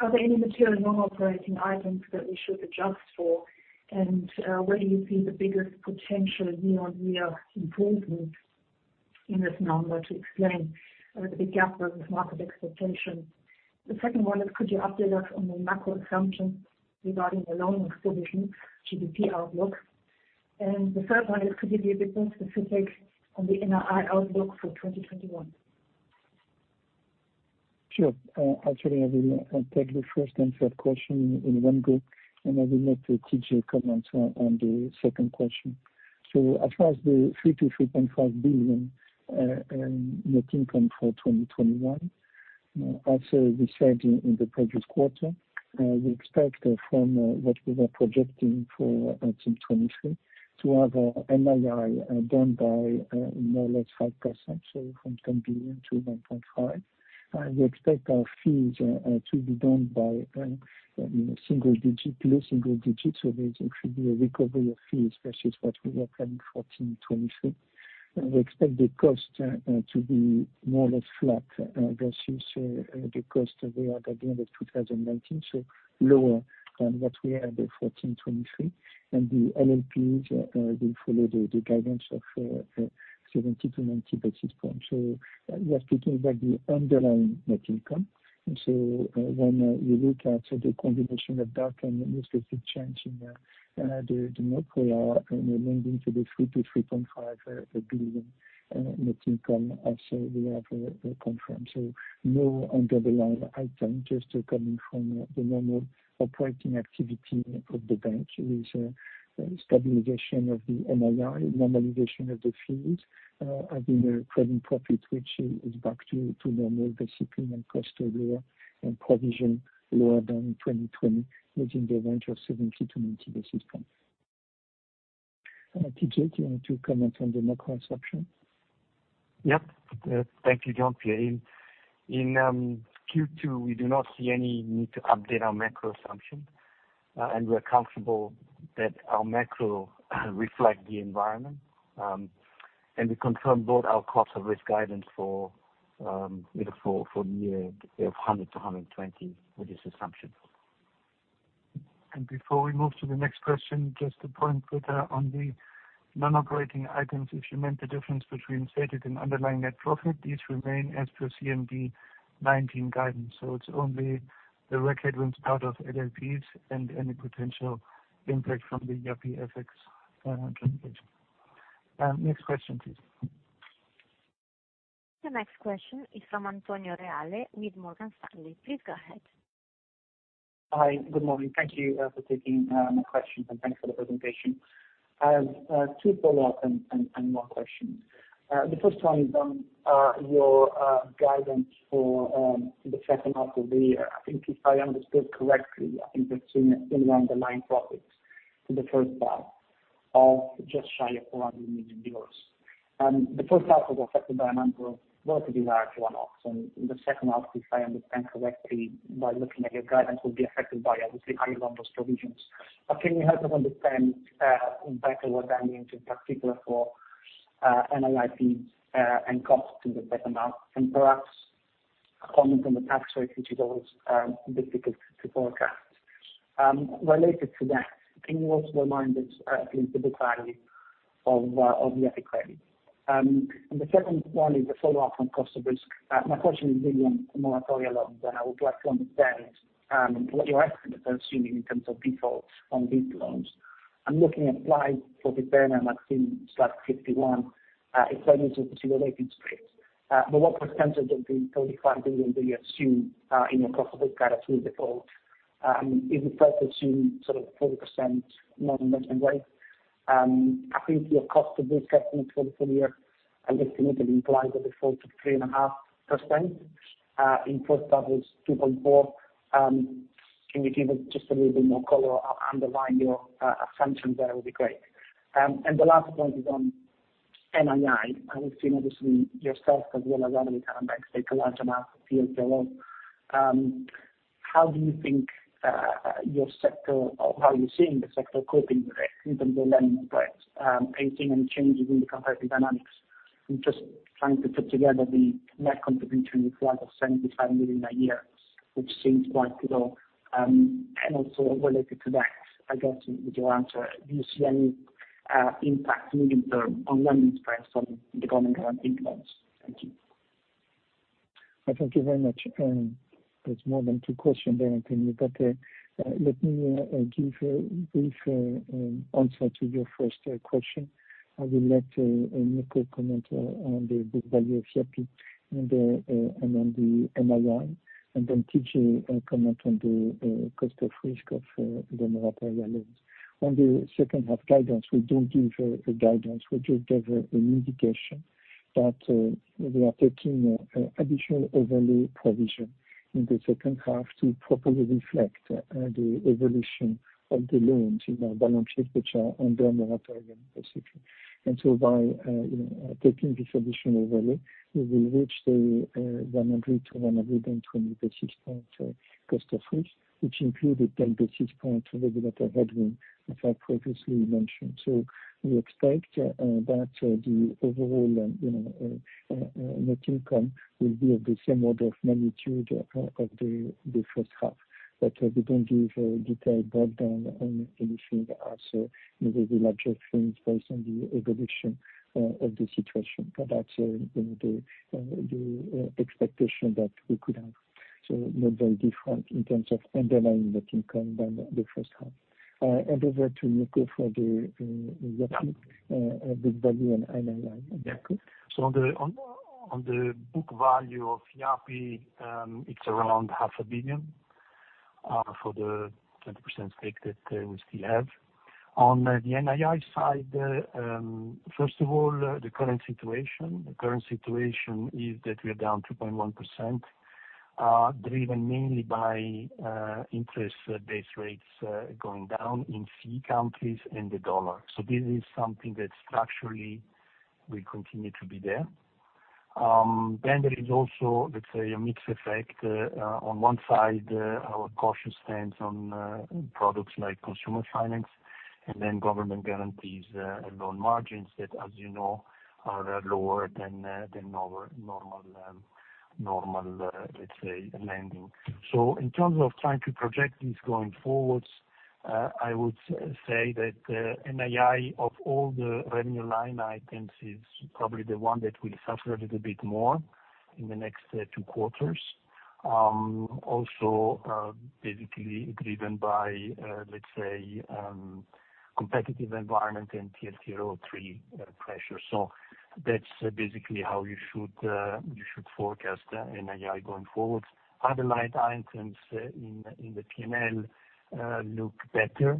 are there any material non-operating items that we should adjust for? Where do you see the biggest potential year-over-year improvement in this number to explain the big gap versus market expectation? The second one is could you update us on the macro assumptions regarding the loan exposure, GDP outlook? The third one is could you be a bit more specific on the NII outlook for 2021? Sure. Actually, I will take the first and third question in one go, and I will let TJ comment on the second question. As far as the EUR three to 3.5 billion net income for 2021. As we said in the previous quarter, we expect from what we were projecting for 2023 to have NII down by more or less 5%, so from 10 billion to 9.5. We expect our fees to be down by low single digits, so there should be a recovery of fees versus what we were planning for 2023. We expect the cost to be more or less flat versus the cost we had at the end of 2019, so lower than what we had for 2023. The NLPs will follow the guidance of 70 basis points-90 basis points. We are speaking about the underlying net income. when we look at the combination of that and the specific change in the macro, we are moving to the 3 billion-3.5 billion net income as we have confirmed. No underlying item, just coming from the normal operating activity of the bank with stabilization of the NII, normalization of the fees, having a credit profit which is back to normal discipline, and cost lower and provision lower than 2020, within the range of 70 basis points-90 basis points. TJ, do you want to comment on the macro assumption? Yep. Thank you, Jean-Pierre. In Q2, we do not see any need to update our macro assumption. We are comfortable that our macro reflects the environment. We confirm both our cost of risk guidance for the year of 100-120 with this assumption. Before we move to the next question, just a point, Britta, on the non-operating items, if you meant the difference between stated and underlying net profit, these remain as per CMD '19 guidance. It's only the reg headwinds part of LLPs and any potential impact from the Yapi FX transaction. Next question, please. The next question is from Antonio Reale with Morgan Stanley. Please go ahead. Hi, good morning. Thank you for taking my question and thanks for the presentation. Two follow-up and one question. The first one is on your guidance for the second half of the year. I think if I understood correctly, I think that seeing underlying profits in the first half of just shy of 400 million euros. The first half was affected by a number of relatively large one-offs, and in the second half, if I understand correctly, by looking at your guidance, will be affected by obviously higher loan loss provisions. Can you help us understand in better what that means, in particular for NIIPs and costs in the second half? Perhaps a comment on the tax rate, which is always difficult to forecast. Related to that, can you also remind us, please, the book value of the Yapı Kredi? The second one is a follow-up on cost of risk. My question is really on the moratoria loans, and I would like to understand what your estimates are assuming in terms of defaults on these loans. I'm looking at slides for the burner maximum /51, if I need to see related spreads. What percentage of 35 billion do you assume in your cost of risk out of three defaults? Is it fair to assume sort of 4% non-performing rate? I think your cost of risk estimate for the full-year ultimately implies a default of 3.5% in first half is 2.4. Can you give us just a little bit more color underlying your assumptions there would be great. The last point is on NII. I have seen obviously yourself as well as other Italian banks take a large amount of TLTRO. How are you seeing the sector coping with it in terms of lending spreads, pacing, and changes in competitive dynamics? I'm just trying to put together the net contribution requirement of 75 million a year, which seems quite little. Also related to that, I guess with your answer, do you see any impact medium term on lending spreads from the government-guaranteed loans? Thank you. Thank you very much. That's more than two questions there, Antonio. Let me give a brief answer to your first question. I will let Nico comment on the book value of Yapi and on the NII, and then TJ comment on the cost of risk of the moratoria loans. On the second half guidance, we don't give a guidance. We just gave an indication that we are taking additional overlay provision in the second half to properly reflect the evolution of the loans in our balance sheet, which are under moratoria in this situation. By taking this additional overlay, we will reach the 100 basis points-120 basis point cost of risk, which included 10 basis points regulator headwind, as I previously mentioned. We expect that the overall net income will be of the same order of magnitude as the first half, but we don't give a detailed breakdown on anything else. We will adjust things based on the evolution of the situation. That's the expectation that we could have. Not very different in terms of underlying net income than the first half. I hand over to Nico for the IAPI, book value, and NII. Yeah. On the book value of Yapi, it's around half a billion for the 20% stake that we still have. On the NII side, first of all, the current situation. The current situation is that we are down 2.1%, driven mainly by interest base rates going down in CEE countries and the dollar. This is something that structurally will continue to be there. There is also, let's say, a mixed effect. On one side, our cautious stance on products like consumer finance, and then government guarantees and loan margins that, as you know, are lower than our normal, let's say, lending. In terms of trying to project this going forwards, I would say that NII, of all the revenue line items, is probably the one that will suffer a little bit more in the next two quarters. basically driven by, let's say, competitive environment and TLTRO III pressure. that's basically how you should forecast NII going forward. Other line items in the P&L look better.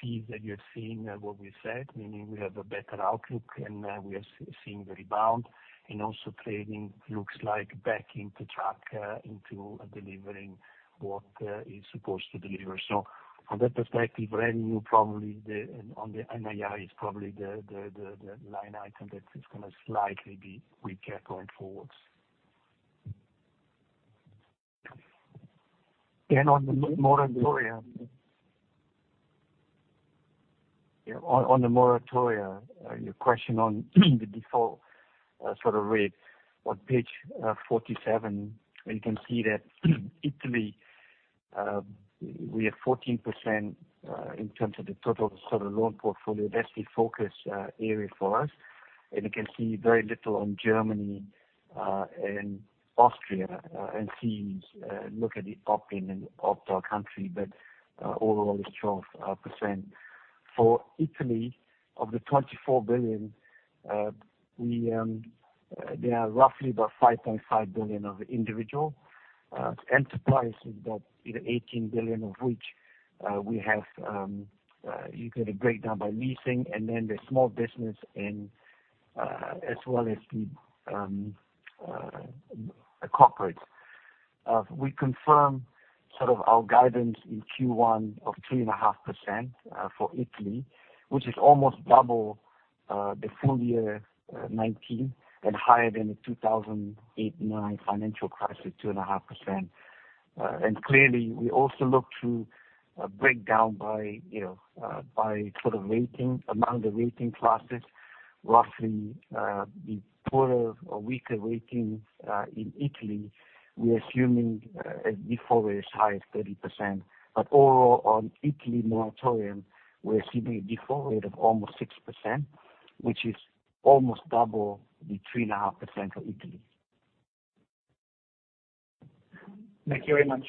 Fees that you're seeing what we said, meaning we have a better outlook, and we are seeing the rebound, and also trading looks like back into track into delivering what it's supposed to deliver. from that perspective, revenue probably on the NII is probably the line item that is going to slightly be weaker going forwards. On the moratoria, your question on the default rate. On Page 47, you can see that Italy, we have 14% in terms of the total loan portfolio. That's the focus area for us. You can see very little on Germany and Austria, and fees, look at it up in an another country, but overall is 12%. For Italy, of the 24 billion, there are roughly about 5.5 billion of individual. Enterprise is about 18 billion of which you get a breakdown by leasing, and then there's small business as well as the corporate. We confirm our guidance in Q1 of 3.5% for Italy, which is almost double the full-year 2019 and higher than the 2008-2009 financial crisis, 2.5%. Clearly, we also look to break down among the rating classes, roughly the poorer or weaker ratings in Italy, we're assuming a default rate as high as 30%. Overall, on Italy moratoria, we're assuming a default rate of almost 6%, which is almost double the 3.5% for Italy. Thank you very much.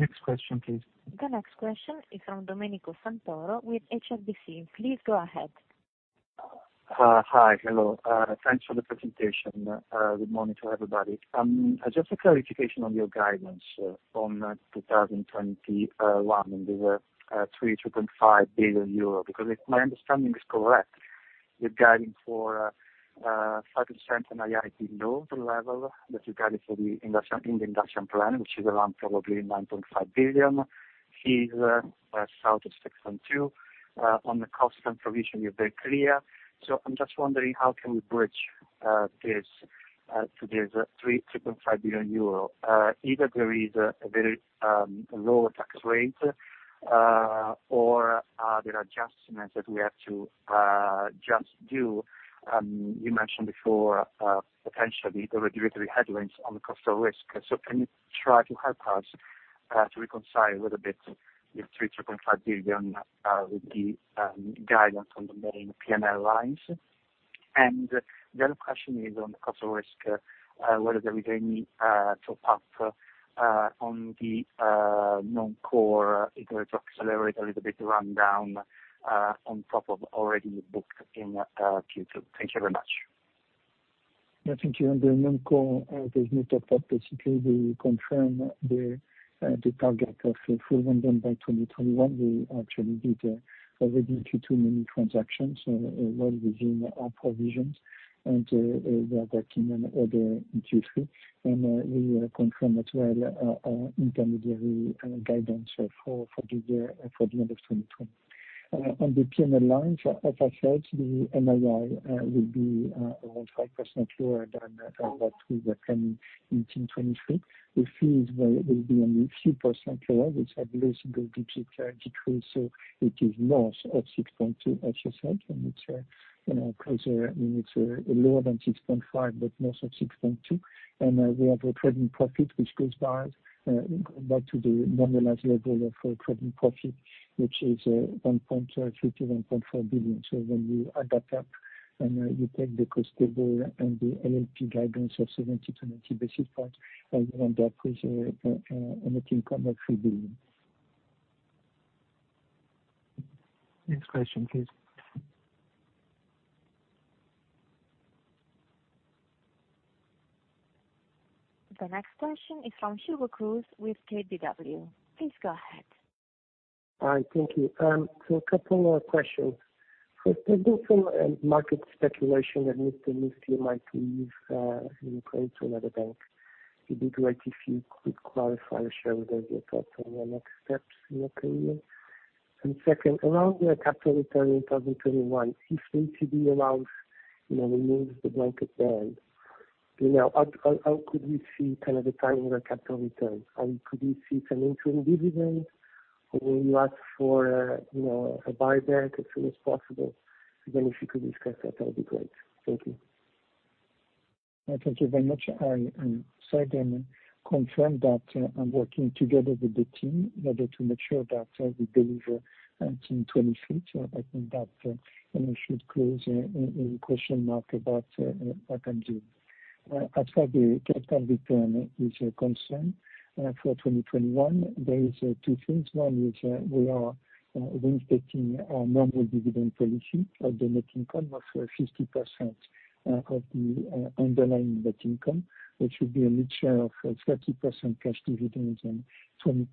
Next question, please. The next question is from Domenico Santoro with HSBC. Please go ahead. Hi. Hello. Thanks for the presentation. Good morning to everybody. Just a clarification on your guidance from 2021, and there were 3 billion euro- EUR3.5 billion, because if my understanding is correct, you're guiding for 5% NII below the level that you guided in the industrial plan, which is around probably 9.5 billion, here south of 6.2 billion. On the cost and provision, you're very clear. I'm just wondering how can we bridge to this 3 billion euro- EUR 3.5 billion. Either there is a very low tax rate, or there are adjustments that we have to just do. You mentioned before, potentially the regulatory headwinds on the cost of risk. Can you try to help us to reconcile a little bit the EUR 3 billion- 3.5 billion with the guidance on the main P&L lines? The other question is on the cost of risk, whether there is any top-up on the non-core interest accelerate a little bit rundown on top of already booked in Q2. Thank you very much. Yeah, thank you. On the non-core, there is no top-up. Basically, we confirm the target of full rundown by 2021. We actually did already in Q2 many transactions, well within our provisions, and we are backing other in Q3. We confirm as well our intermediary guidance for the end of 2020. On the P&L lines, as I said, the NII will be around 5% lower than what we were planning in 2023. The fees will be only a few percent lower, which I believe will be decreased, so it is north of 6.2, as you said, and it's lower than 6.5, but north of 6.2. We have a trading profit which goes back to the normalized level of trading profit, which is 1.3 billion-1.4 billion. when you add that up, and you take the cost of risk and the NPL guidance of 70 basis points-90 basis points, and you end up with a net income of EUR 3 billion. Next question, please. The next question is from Hugo Cruz with KBW. Please go ahead. Hi, thank you. A couple more questions. First, there's been some market speculation that Mr. Mustier might leave UniCredit to another bank. It'd be great if you could clarify or share with us your thoughts on the next steps in your career. Second, around your capital return in 2021, if ECB allows, removes the blanket ban, how could we see the timing of capital returns? Could we see some interim dividends, or will you ask for a buyback as soon as possible? Again, if you could discuss that would be great. Thank you. Thank you very much. I certainly confirm that I'm working together with the team in order to make sure that we deliver in 2023. I think that should close any question mark about what I'm doing. As far the capital return is concerned, for 2021, there is two things. One is we are reinstating our normal dividend policy of the net income of 50% of the underlying net income, which would be a mixture of 30% cash dividends and 20%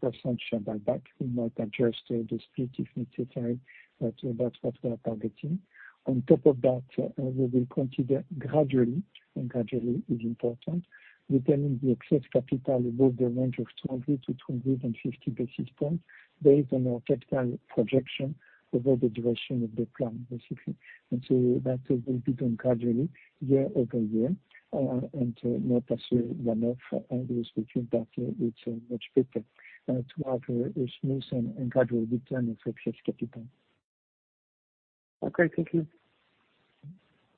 share buyback. We might adjust the split if necessary, but that's what we are targeting. On top of that, we will consider gradually, and gradually is important, returning the excess capital above the range of 200 basis points-250 basis points based on our capital projection over the duration of the plan, basically. that will be done gradually year-over-year, and not pursue one-off, and we think that it's much better to have a smooth and gradual return of excess capital. Okay, thank you.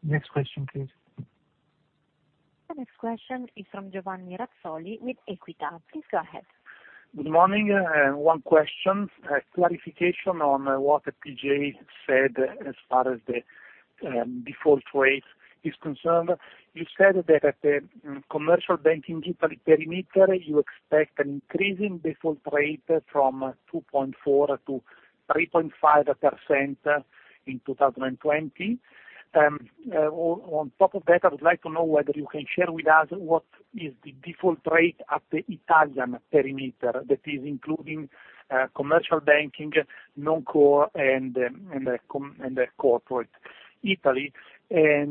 Next question, please. The next question is from Giovanni Razzoli with Equita. Please go ahead. Good morning. One question, clarification on what TJ said as far as the default rate is concerned. You said that at the Commercial Banking Italy perimeter, you expect an increasing default rate from 2.4%-3.5% in 2020. On top of that, I would like to know whether you can share with us what is the default rate at the Italian perimeter, that is including commercial banking, non-core, and the corporate Italy. A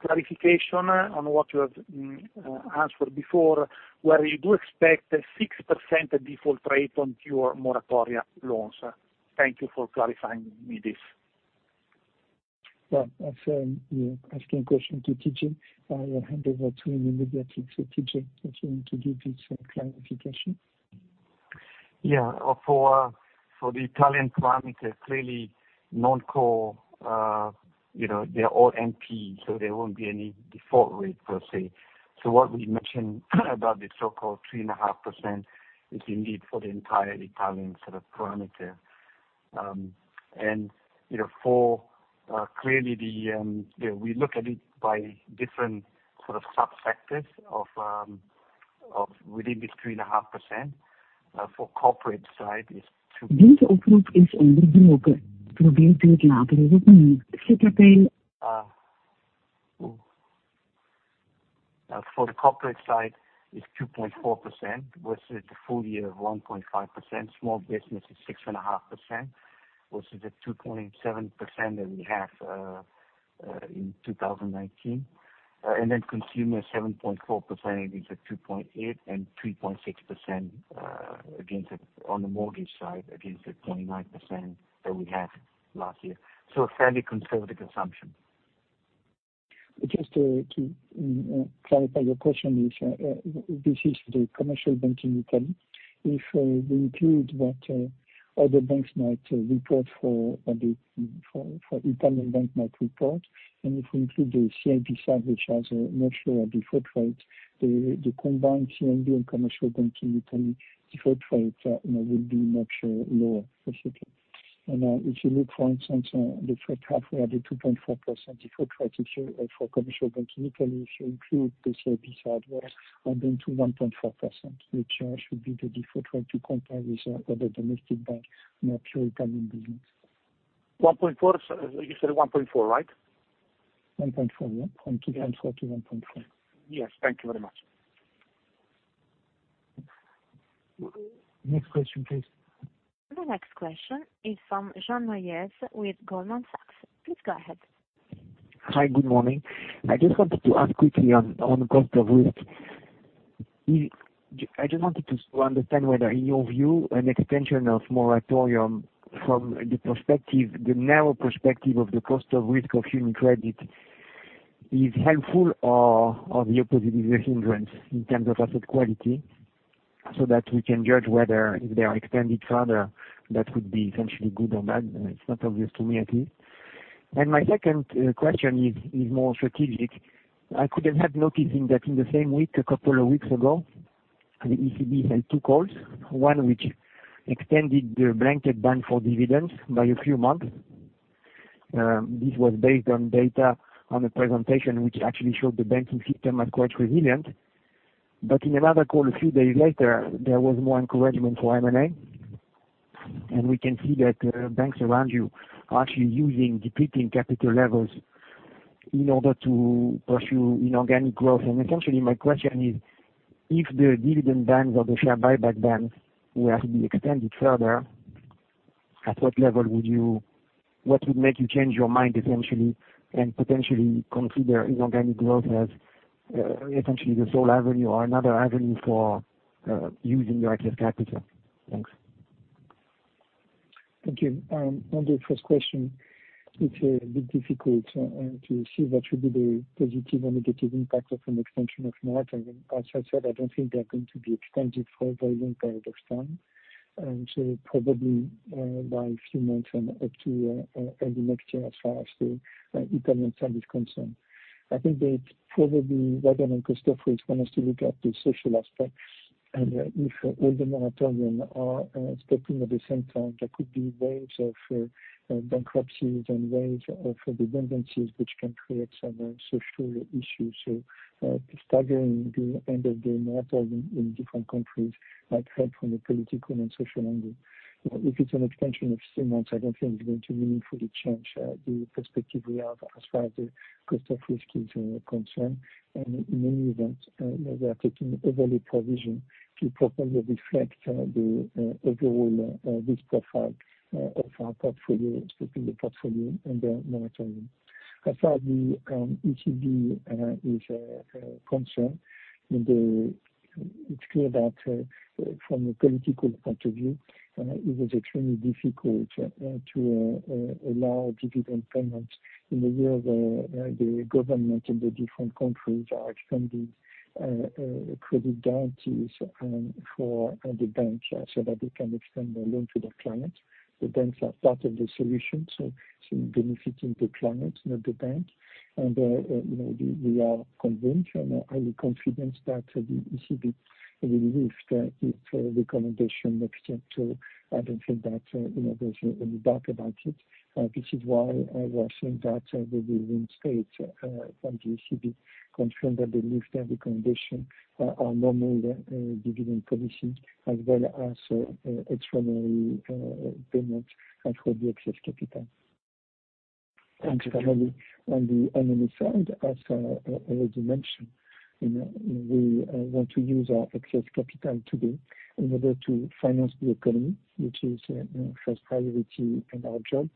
clarification on what you have answered before, whether you do expect 6% default rate on your moratoria loans. Thank you for clarifying me this. Well, as you're asking a question to TJ, I will hand over to him immediately. TJ, if you want to give this clarification. Yeah. For the Italian perimeter, clearly non-core, they're all NP, so there won't be any default rate per se. What we mentioned about the so-called 3.5% is indeed for the entire Italian perimeter. Clearly, we look at it by different sub-sectors within this 3.5%. For corporate side, it's two This call is interrupted. Please try again later. Goodbye. For the corporate side, it's 2.4%, versus the full-year of 1.5%. Small business is 6.5%, versus the 2.7% that we have in 2019. Consumer, 7.4%, against the 2.8% and 3.6% on the mortgage side, against the 29% that we had last year. Fairly conservative assumption. Just to clarify, your question is, this is the Commercial Banking return. If we include what other banks might report, if we include the CIB side, which has a much lower default rate, the combined CIB and Commercial Banking Italy default rates will be much lower, basically. If you look, for instance, the first half, we had a 2.4% default rate for Commercial Banking Italy. If you include the CIB side, we are down to 1.4%, which should be the default rate to compare with other domestic banks, much lower than in business. 1.4. You said 1.4, right? 1.4, yeah. From 2.4-1.4. Yes. Thank you very much. Next question, please. The next question is from Jean Mayer with Goldman Sachs. Please go ahead. Hi. Good morning. I just wanted to ask quickly on cost of risk. I just wanted to understand whether, in your view, an extension of moratorium from the narrow perspective of the cost of risk of UniCredit is helpful or the opposite, is a hindrance in terms of asset quality, so that we can judge whether if they are extended further, that would be essentially good or bad. It is not obvious to me at least. My second question is more strategic. I couldn't help noticing that in the same week, a couple of weeks ago, the ECB had two calls, one which extended the blanket ban for dividends by a few months. This was based on data on a presentation which actually showed the banking system as quite resilient. In another call a few days later, there was more encouragement for M&A, and we can see that banks around you are actually using depleting capital levels in order to pursue inorganic growth. Essentially, my question is, if the dividend bans or the share buyback bans were to be extended further, what would make you change your mind essentially, and potentially consider inorganic growth as essentially the sole avenue or another avenue for using your excess capital? Thanks. Thank you. On the first question, it's a bit difficult to see what should be the positive or negative impact of an extension of moratorium. As I said, I don't think they're going to be extended for a very long period of time. probably by a few months and up to early next year as far as the Italian side is concerned. I think that probably rather than cost of risk, one has to look at the social aspect, and if all the moratorium are stopping at the same time, there could be waves of bankruptcies and waves of redundancies, which can create some social issues. staggering the end of the moratorium in different countries might help from a political and social angle. If it's an extension of three months, I don't think it's going to meaningfully change the perspective we have as far as the cost of risk is concerned. In any event, we are taking overlay provision to properly reflect the overall risk profile of our portfolio, especially the portfolio under moratorium. As far the ECB is concerned, it's clear that from a political point of view, it was extremely difficult to allow dividend payments in the year the government and the different countries are extending credit guarantees for the banks so that they can extend the loan to their clients. The banks are part of the solution, so benefiting the client, not the bank. We are convinced and highly confident that the ECB will lift its recommendation next year, so I don't think that there's any doubt about it. This is why we are saying that the dividend paid from the ECB confirm that they lift the recommendation on normal dividend conditions as well as extraordinary payments and for the excess capital. Thank you, Camille. On the other side, as I already mentioned, we want to use our excess capital today in order to finance the economy, which is first priority in our job.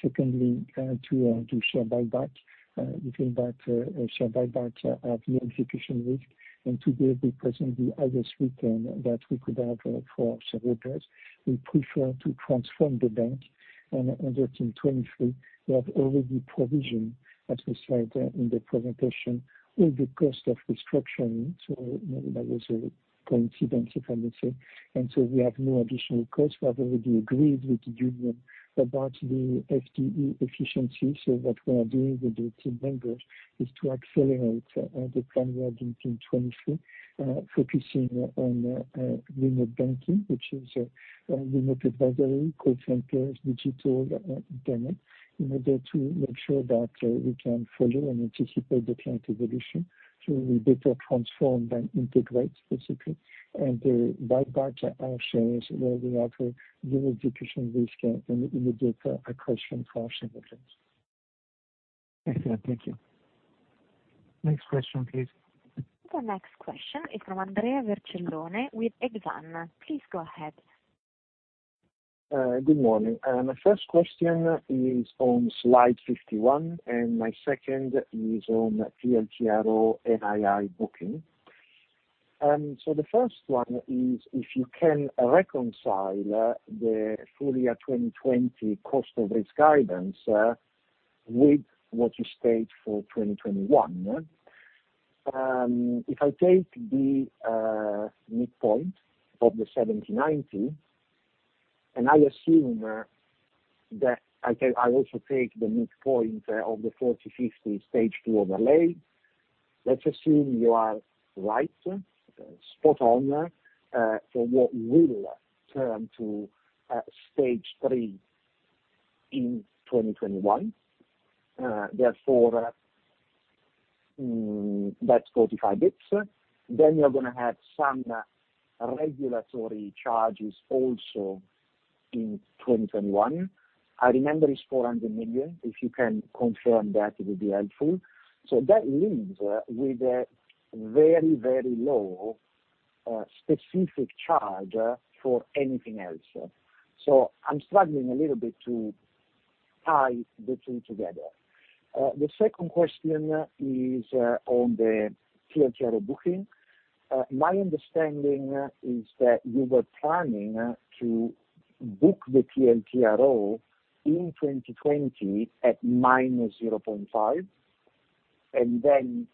Secondly, to do share buyback. We think that share buybacks have no execution risk, and today represent the highest return that we could have for shareholders. We prefer to transform the bank and as of 2023, we have already provisioned, as we said in the presentation, all the cost of restructuring. That was a coincidence, if I may say. We have no additional costs. We have already agreed with the union about the FTE efficiency. What we are doing with the team members is to accelerate the plan we have in 2023, focusing on remote banking, which is remote advisory, call centers, digital banking, in order to make sure that we can follow and anticipate the client evolution. We better transform than integrate, basically. Buybacks are options where we have zero execution risk and immediate accretion for our shareholders. Excellent. Thank you. Next question, please. The next question is from Andrea Vercellone with Exane. Please go ahead. Good morning. My first question is on Slide 51, and my second is on TLTRO NII booking. The first one is if you can reconcile the full-year 2020 cost of risk guidance with what you state for 2021. If I take the midpoint of the 70/90, and I also take the midpoint of the 40/50 Stage 2 overlay, let's assume you are right, spot on, for what will turn to Stage 3 in 2021. Therefore, that's 45 basis points. You're going to have some regulatory charges also in 2021. I remember it's 400 million. If you can confirm that, it would be helpful. That leaves with a very, very low specific charge for anything else. I'm struggling a little bit to tie the two together. The second question is on the TLTRO booking. My understanding is that you were planning to book the TLTRO in 2020 at -0.5, and then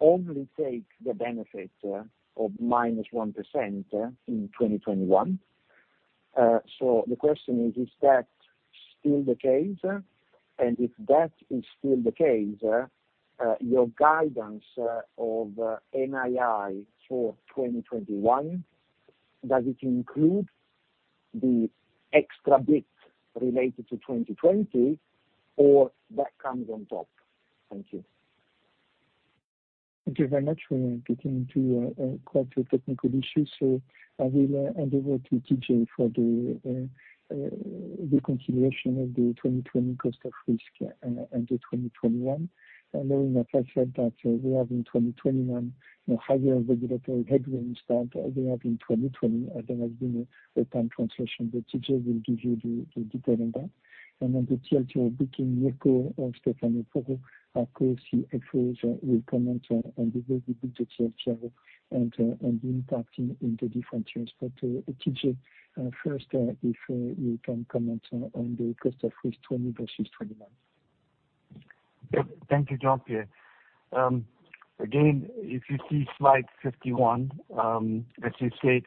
only take the benefit of -1% in 2021. The question is that still the case? If that is still the case, your guidance of NII for 2021, does it include the extra bit related to 2020, or that comes on top? Thank you. Thank you very much. We're getting into quite a technical issue. I will hand over to TJ for the reconciliation of the 2020 cost of risk and the 2021, knowing that I said that we have in 2021 higher regulatory headwinds than they have in 2020, as there has been a time translation. TJ will give you the detail on that. On the TLTRO booking, Mirko or Stefano, of course, the CFOs will comment on the way we book the TLTRO and the impacting in the different terms. TJ, first, if you can comment on the cost of risk 2020 versus 2021. Thank you, Jean-Pierre. Again, if you see Slide 51, as you said,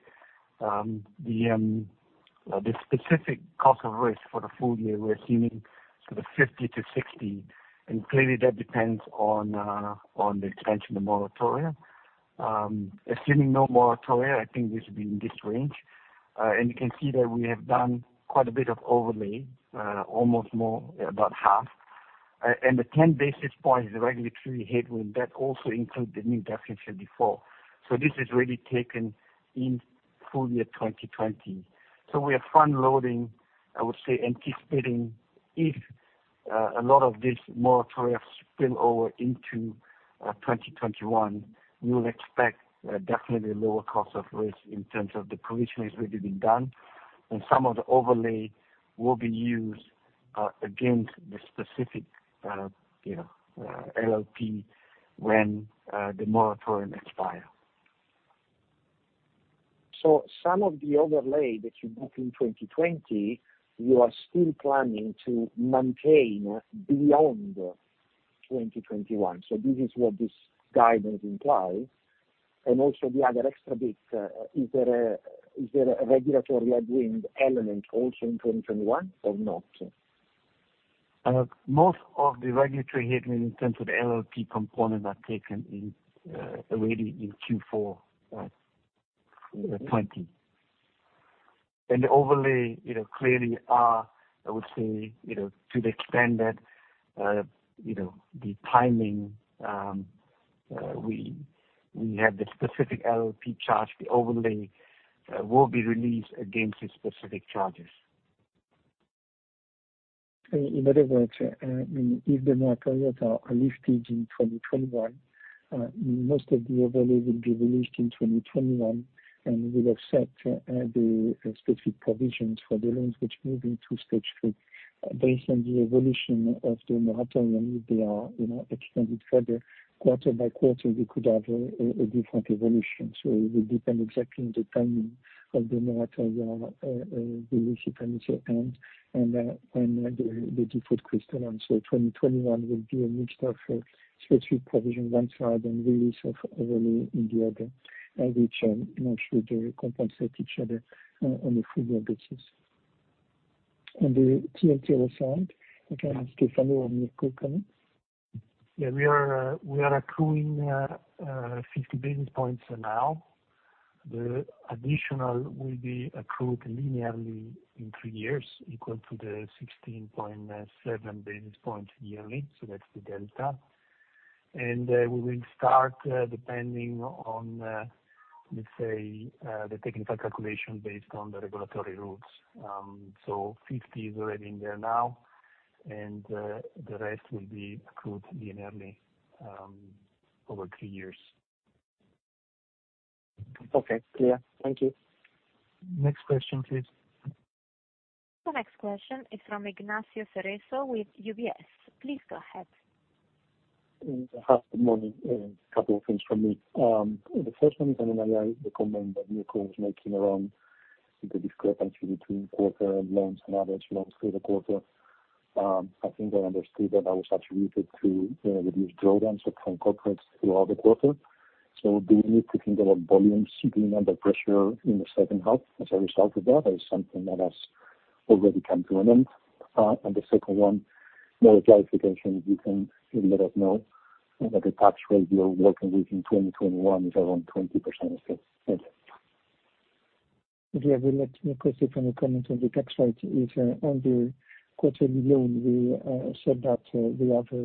the specific cost of risk for the full-year, we're assuming sort of 50-60. Clearly, that depends on the extension of the moratoria. Assuming no moratoria, I think this will be in this range. You can see that we have done quite a bit of overlay, almost more, about half. The 10 basis points, the regulatory headwind, that also includes the new definition before. This is already taken in full-year 2020. We are front-loading, I would say, anticipating if a lot of this moratoria spill over into 2021, you will expect definitely lower cost of risk in terms of the provision has already been done, and some of the overlay will be used against the specific LLP when the moratorium expires. Some of the overlay that you book in 2020, you are still planning to maintain beyond 2021. This is what this guidance implies. Also the other extra bit, is there a regulatory headwind element also in 2021 or not? Most of the regulatory headwind in terms of the LLP component are taken already in Q4 2020. The overlay clearly are, I would say, to the extent that the timing. We have the specific LLP charge. The overlay will be released against the specific charges. In other words, if the moratoria are lifted in 2021, most of the overlay will be released in 2021, and will offset the specific provisions for the loans which move into Stage 3. Based on the evolution of the moratoria, and if they are extended further, quarter by quarter, we could have a different evolution. It will depend exactly on the timing of the moratoria, the risk parameter end, and the default criterion. 2021 will be a mixture for specific provision one side and release of overlay in the other, which should compensate each other on a full-year basis. On the TLTRO side, I can ask Stefano or Mirko to comment. Yeah, we are accruing 50 basis points now. The additional will be accrued linearly in three years, equal to the 16.7 basis points yearly, so that's the delta. We will start depending on, let's say, the technical calculation based on the regulatory rules. 50 is already in there now, and the rest will be accrued linearly over three years. Okay, clear. Thank you. Next question, please. The next question is from Ignacio Cerezo with UBS. Please go ahead. Ignacio, good morning. A couple of things from me. The first one is on the comment that Mirko was making around the discrepancy between quarter loans and average loans through the quarter. I think I understood that that was attributed to the reduced drawdowns from corporates throughout the quarter. Do we need to think about volumes being under pressure in the second half as a result of that, or is it something that has already come to an end? The second one, more clarification, if you can let us know that the tax rate you're working with in 2021 is around 20%, if that's it. Yeah. Mirko, if you want to comment on the tax rate. If on the quarterly loan, we said that we have a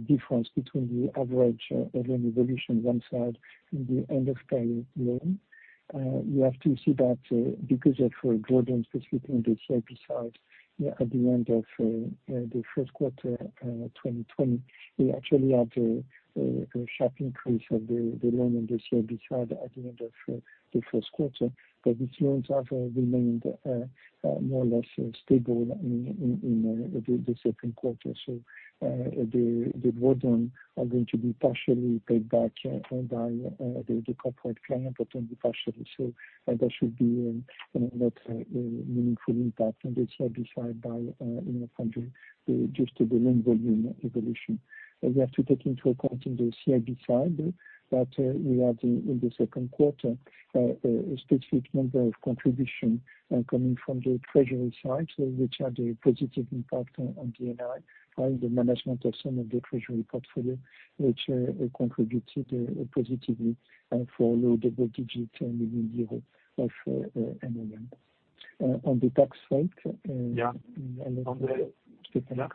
difference between the average loan evolution one side and the end-of-period loan. You have to see that because of drawdowns, specifically on the CIB side at the end of the first quarter 2020, we actually had a sharp increase of the loan on the CIB side at the end of the first quarter. These loans have remained more or less stable in the second quarter. The drawdowns are going to be partially paid back by the corporate client, but only partially, so that should be not a meaningful impact on the CIB side by, from the just the loan volume evolution. We have to take into account on the CIB side that we have, in the second quarter, a specific number of contribution coming from the treasury side, which had a positive impact on NII, the management of some of the treasury portfolio, which contributed positively for low double-digit million of NII. On the tax side- Yeah. Stefano.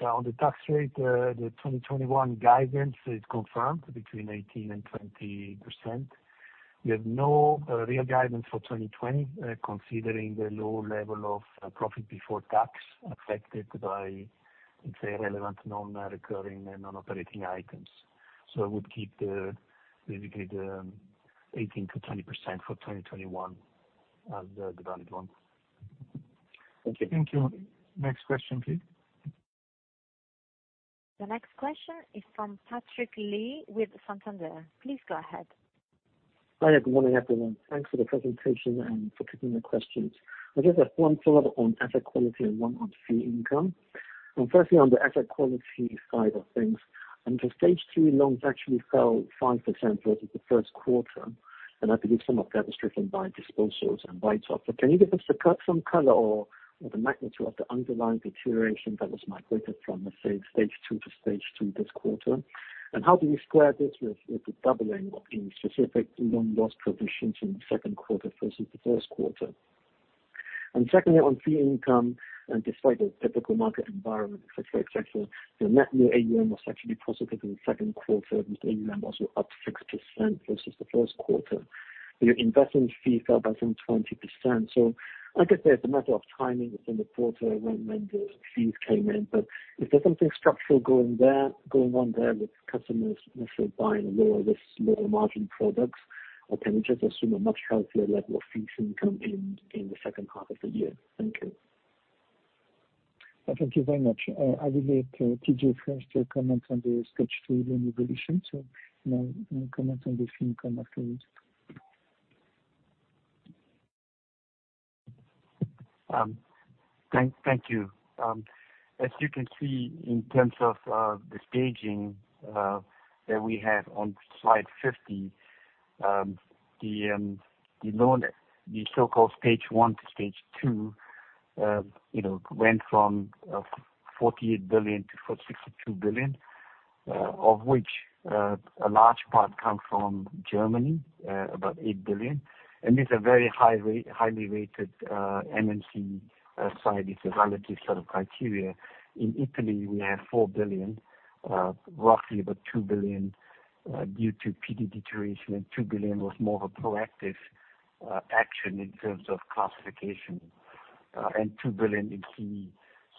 Yeah. On the tax rate, the 2021 guidance is confirmed between 18% and 20%. We have no real guidance for 2020, considering the low level of profit before tax affected by, let's say, relevant non-recurring and non-operating items. We'll keep the basically the 18%-20% for 2021 as the valid one. Thank you. Thank you. Next question, please. The next question is from Patrick Lee with Santander. Please go ahead. Hi. Good morning, everyone. Thanks for the presentation and for taking the questions. I just have one follow-up on asset quality and one on fee income. Firstly, on the asset quality side of things, the Stage 2 loans actually fell 5% versus the first quarter, and I believe some of that was driven by disposals and write-offs. Can you give us some color on the magnitude of the underlying deterioration that was migrated from, let's say, Stage 2 to Stage 3 this quarter? Secondly, on fee income, and despite the difficult market environment, et cetera, your net new AUM was actually positive in the second quarter, with AUM also up 6% versus the first quarter. Your investment fees fell by some 20%. I guess there's a matter of timing within the quarter when those fees came in. Is there something structural going on there with customers necessarily buying lower-risk, lower-margin products, or can we just assume a much healthier level of fees income in the second half of the year? Thank you. Thank you very much. I will let TJ first comment on the Stage 3 loan evolution, and then comment on the fee income afterwards. Thank you. As you can see in terms of the staging that we have on Slide 50, the so-called Stage 1 to Stage 2 went from 48 billion-62 billion, of which a large part comes from Germany, about 8 billion. These are very highly rated MNC side. It's a relative set of criteria. In Italy, we have 4 billion, roughly about 2 billion. Due to PD deterioration and 2 billion was more of a proactive action in terms of classification, and 2 billion in CEE.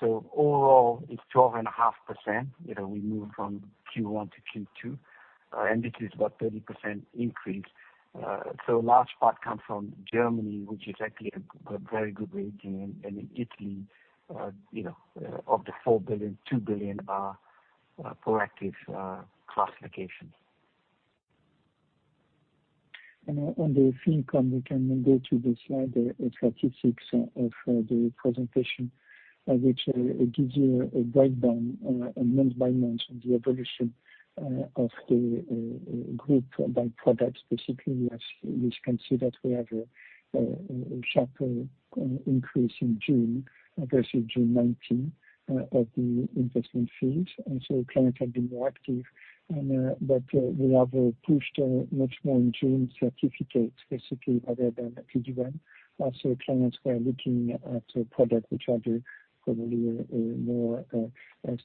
Overall, it's 12.5%. We moved from Q1 to Q2, and it is about 30% increase. A large part comes from Germany, which is actually a very good rating. In Italy, of the 4 billion, 2 billion are proactive classifications. on the fee income, we can go to the slide, the statistics of the presentation, which gives you a breakdown, a month by month of the evolution of the group by products. Basically, as you can see that we have a sharp increase in June versus June 2019 of the investment fees. clients have been more active, but we have pushed much more in June certificates, basically, other than PD1. Also, clients were looking at products which are probably a more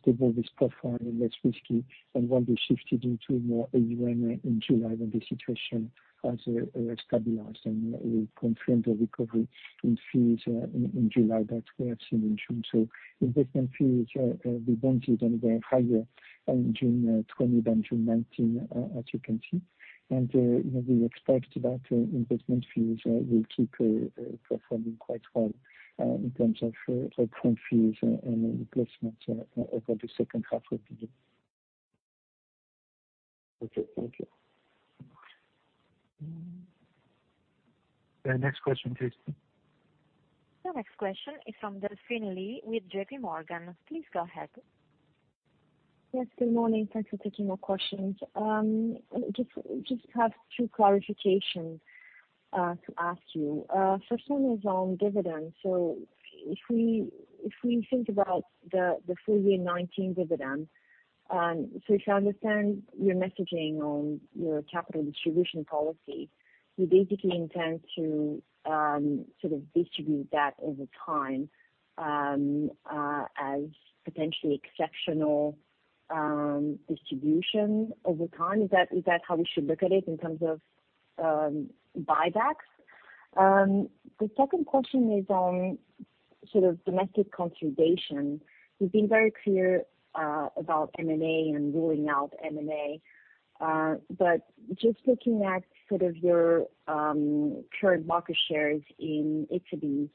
stable risk profile and less risky, and one we shifted into more A1 in July when the situation has stabilized, and it confirmed the recovery in fees in July that we have seen in June. investment fees rebounded and were higher in June 2020 than June 2019, as you can see. We expect that investment fees will keep performing quite well in terms of upfront fees and replacements over the second half of the year. Okay, thank you. The next question, please. The next question is from Delphine Lee with JPMorgan. Please go ahead. Yes, good morning. Thanks for taking our questions. Just have two clarifications to ask you. First one is on dividends. If we think about the full-year '19 dividend, so if I understand your messaging on your capital distribution policy, you basically intend to sort of distribute that over time as potentially exceptional distribution over time. Is that how we should look at it in terms of buybacks? The second question is on sort of domestic consolidation. You've been very clear about M&A and ruling out M&A. Just looking at sort of your current market shares in Italy,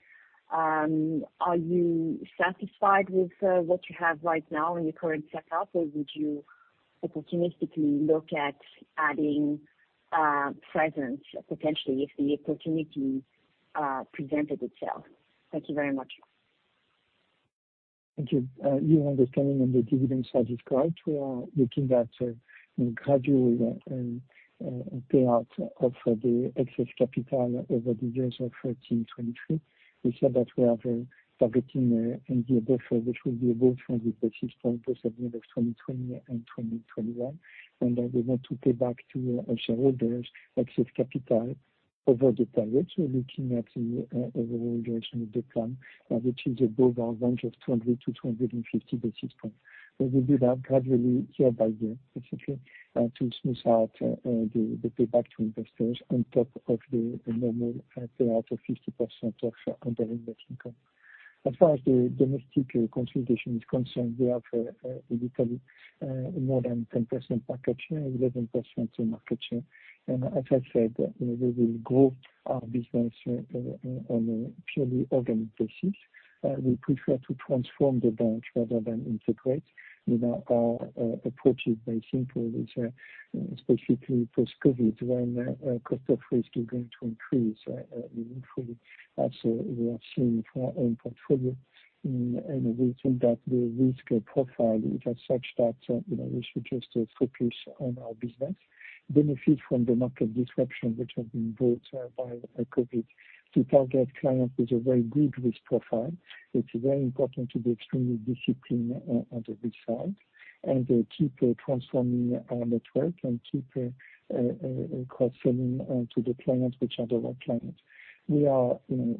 are you satisfied with what you have right now in your current setup, or would you opportunistically look at adding presence potentially if the opportunity presented itself? Thank you very much. Thank you. Your understanding on the dividend side is correct. We are looking at a gradual payout of the excess capital over the years of 2020, 2023. We said that we are targeting MDA, so this will be above 100 basis points at the end of 2020 and 2021. That we want to pay back to our shareholders excess capital over the targets. We're looking at the overall duration of the plan, which is above our range of 200 to 250 basis points. We will do that gradually year by year, basically, to smooth out the payback to investors on top of the normal payout of 50% of underlying net income. As far as the domestic consolidation is concerned, we have in Italy, more than 10% market share, 11% market share. As I said, we will grow our business on a purely organic basis. We prefer to transform the bank rather than integrate. Our approach is very simple, especially post-COVID, when cost of risk is going to increase. We hopefully also, we are seeing from our own portfolio, and we think that the risk profile is as such that we should just focus on our business, benefit from the market disruption which has been brought by COVID to target clients with a very good risk profile. It's very important to be extremely disciplined on the risk side and keep transforming our network and keep cross-selling to the clients, which are the right clients. We are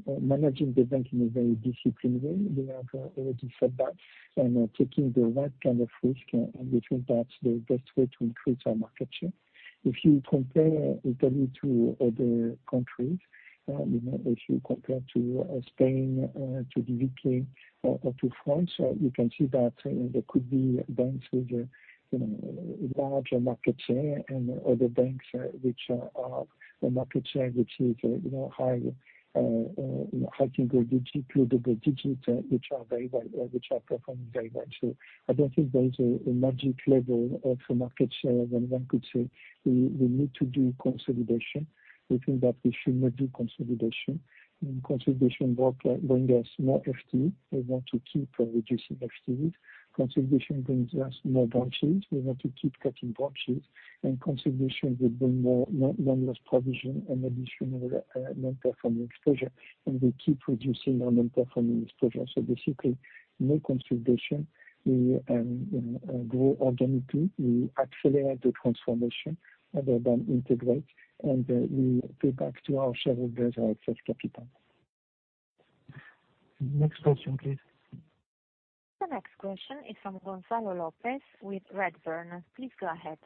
managing the bank in a very disciplined way. We have already said that, and taking the right kind of risk, and we think that's the best way to increase our market share. If you compare Italy to other countries, if you compare to Spain, to the U.K., or to France, you can see that there could be banks with a larger market share and other banks which have a market share which is high, high single digit, low double digit, which are performing very well. I don't think there is a magic level of market share where one could say we need to do consolidation. We think that we should not do consolidation. Consolidation bring us more FTE. We want to keep reducing FTEs. Consolidation brings us more balance sheets. We want to keep cutting balance sheets, and consolidation will bring more enormous provision and additional non-performing exposure, and we keep reducing our non-performing exposure. Basically, no consolidation. We grow organically. We accelerate the transformation rather than integrate, and we pay back to our shareholders our excess capital. Next question, please. The next question is from Gonzalo López with Redburn. Please go ahead.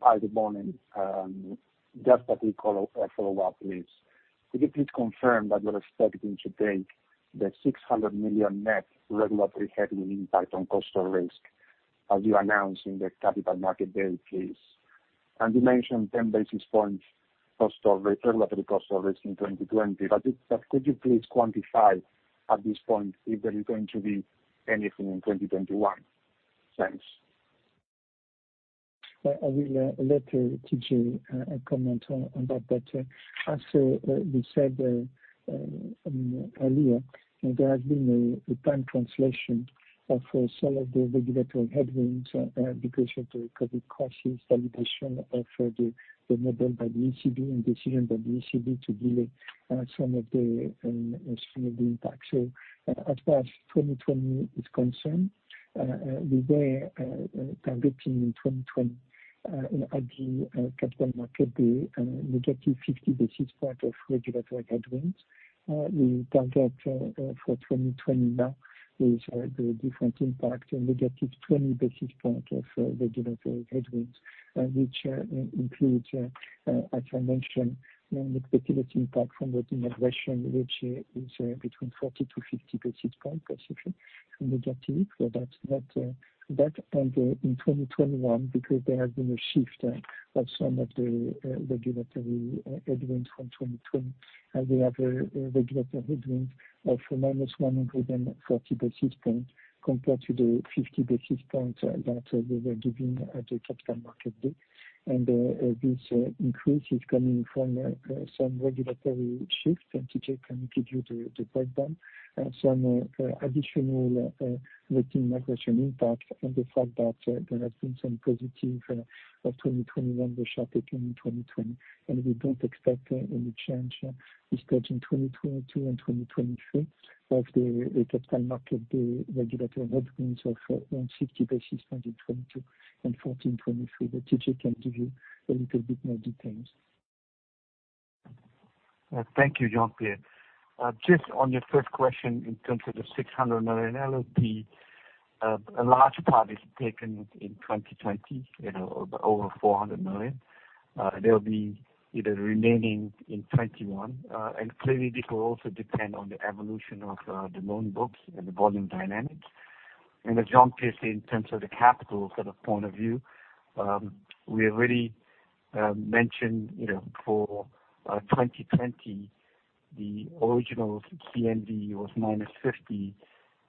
Hi, good morning. Just a quick follow-up, please. Could you please confirm that you're expecting to take the 600 million net regulatory headwind impact on cost of risk, as you announced in the capital market day, please? You mentioned 10 basis points regulatory cost of risk in 2020, but could you please quantify at this point if there is going to be anything in 2021? Thanks. I will let TJ comment on that. As we said earlier, there has been a time translation of some of the regulatory headwinds because of the COVID crisis validation of the model by the ECB, and decision by the ECB to delay some of the impact. As far as 2020 is concerned, we were targeting in 2020 at the capital market day -50 basis point of regulatory headwinds. We target for 2020 now is the different impact, -20 basis point of regulatory headwinds, which includes, as I mentioned, the expected impact from the migration, which is between 40 basis points to -50 basis points. That in 2021, because there has been a shift of some of the regulatory headwinds from 2020, we have a regulatory headwind of -140 basis points compared to the 50 basis points that we were giving at the capital market day. This increase is coming from some regulatory shifts. TJ can give you the breakdown. Some additional routine migration impact, and the fact that there has been some positive of 2021 were sharper in 2020. We don't expect any change, especially in 2022 and 2023 of the capital market day regulatory headwinds of around 60 basis points in 2022 and 2023, but TJ can give you a little bit more details. Thank you, Jean-Pierre. Just on your first question, in terms of the 600 million LLP, a large part is taken in 2020, over 400 million. There'll be either remaining in 2021. Clearly, this will also depend on the evolution of the loan books and the volume dynamics. As Jean previously, in terms of the capital sort of point of view, we already mentioned for 2020, the original CMD was -50,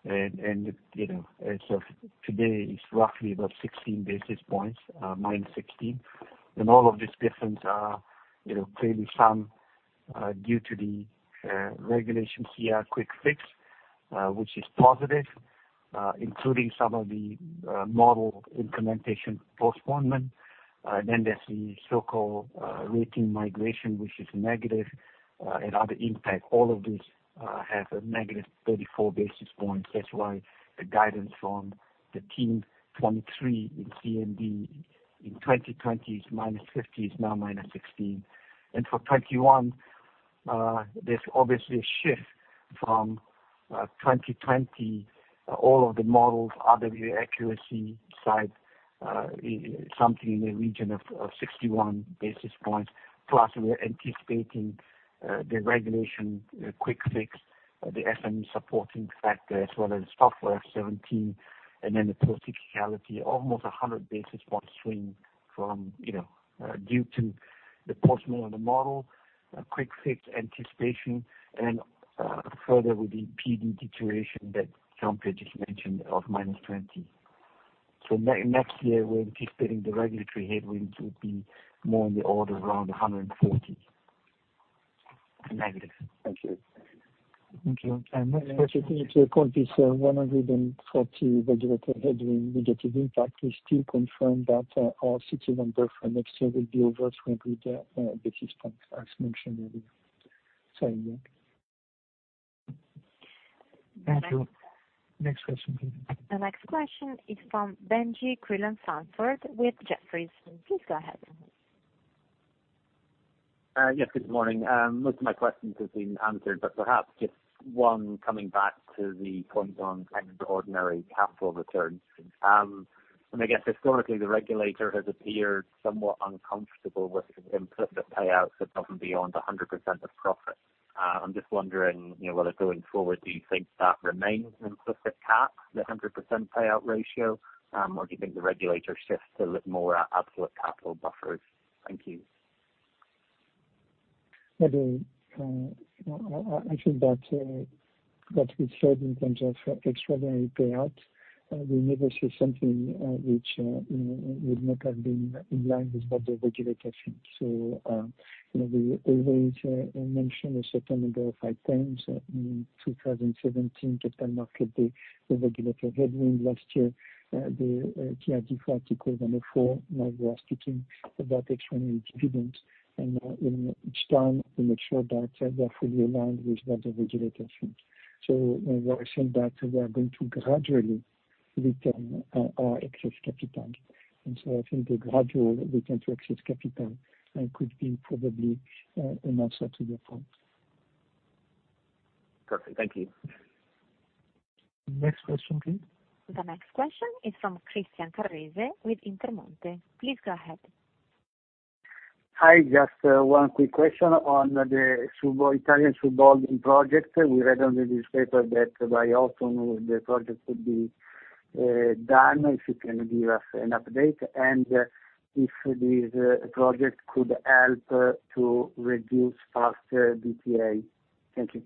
and as of today, it's roughly about 16 basis points, -16. All of this difference are clearly some due to the regulation CRR quick fix, which is positive, including some of the model implementation postponement. There's the so-called rating migration, which is negative, and other impact. All of these have a -34 basis points. That's why the guidance from the Team 23 in CMD in 2020 is-50, is now -16. For 2021, there's obviously a shift from 2020. All of the models, RWA accuracy side, something in the region of 61 basis points, plus we're anticipating the regulation quick fix, the SME supporting factor, as well as Basel IV, and then the proportionality, almost 100 basis points swing due to the postponement of the model, a quick fix anticipation, and further with the PD situation that Jean-Pierre just mentioned of-20. Next year, we're anticipating the regulatory headwind to be more in the order of around -140. Thank you. Thank you. Next question. Just to confirm this 140 regulatory headwind negative impact, we still confirm that our CET1 number for next year will be over 20 basis points, as mentioned earlier. Thank you. Next question, please. The next question is from Benjie Creelan-Sandford with Jefferies. Please go ahead. Yes, good morning. Most of my questions have been answered, but perhaps just one coming back to the point on extraordinary capital returns. I guess historically, the regulator has appeared somewhat uncomfortable with implicit payouts of often beyond 100% of profit. I'm just wondering, whether going forward, do you think that remains an implicit cap, the 100% payout ratio, or do you think the regulator shifts to a little more absolute capital buffers? Thank you. I think that what we said in terms of extraordinary payout, we never say something which would not have been in line with what the regulator thinks. We always mention a certain number of items. In 2017, Capital Markets Day, the regulatory headwind last year, the TRIM factor called number four, now we are speaking about extraordinary dividends. Each time, we make sure that they're fully aligned with what the regulator thinks. What I said, that we are going to gradually return our excess capital. I think the gradual return to excess capital could be probably an answer to your point. Perfect. Thank you. Next question, please. The next question is from Christian Carrese with Intermonte. Please go ahead. Hi. Just one quick question on the Italian sub-holding project. We read on the newspaper that by autumn, the project could be done, if you can give us an update, and if this project could help to reduce faster DTA. Thank you.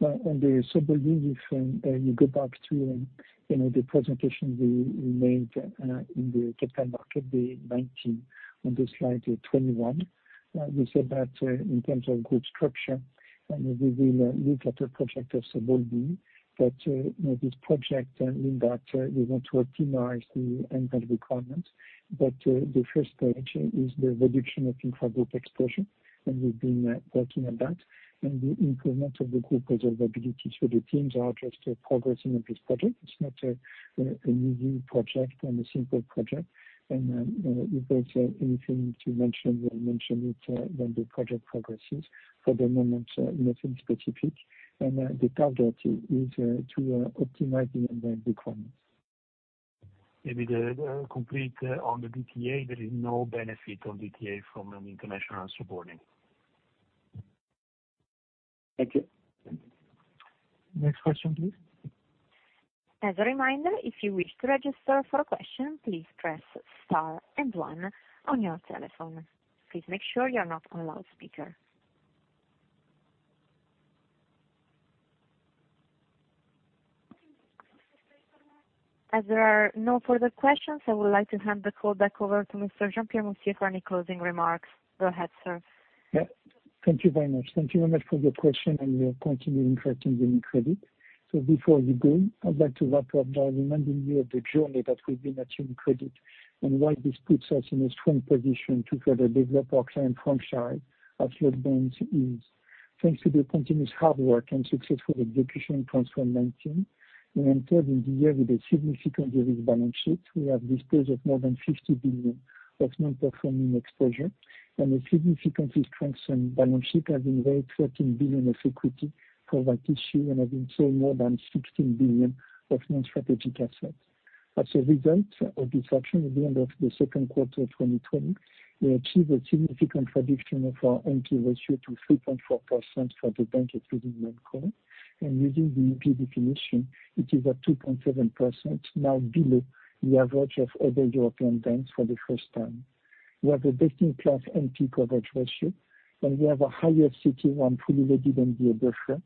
Well, on the sub-holding, if you go back to the presentation we made in the Capital Markets Day 2019, on the Slide 21, we said that in terms of group structure, we will look at a project of sub-holding. That this project means that we want to optimize the end-point requirement, but the first stage is the reduction of intra-group exposure, and we've been working on that. The improvement of the group reserve ability. The teams are just progressing on this project. It's not an easy project and a simple project. If there's anything to mention, we'll mention it when the project progresses. For the moment, nothing specific. The target is to optimize the end-point requirements. Maybe to complete on the DTA, there is no benefit on DTA from an international sub-holding. Thank you. Next question, please. As a reminder, if you wish to register for a question, please press Star and One on your telephone. Please make sure you're not on loudspeaker. As there are no further questions, I would like to hand the call back over to Mr. Jean-Pierre Mustier for any closing remarks. Go ahead, sir. Yeah. Thank you very much. Thank you very much for your question, and your continuing interest in UniCredit. Before we go, I'd like to wrap up by reminding you of the journey that we've been at UniCredit, and why this puts us in a strong position to further develop our client franchise as your bank is. Thanks to the continuous hard work and successful execution of Transform 2019, we entered in the year with a significantly de-risked balance sheet. We have disposed of more than 50 billion of non-performing exposure, and a significantly strengthened balance sheet has raised 13 billion of equity for that issue, and has been sold more than 16 billion of non-strategic assets. As a result of this action at the end of the second quarter 2020, we achieved a significant reduction of our NP ratio to 3.4% for the bank including Bank Intesa Sanpaolo, and using the EBA definition, it is at 2.7%, now below the average of other European banks for the first time. We have a best-in-class NP coverage ratio, and we have a higher CET1 fully loaded MDA buffer,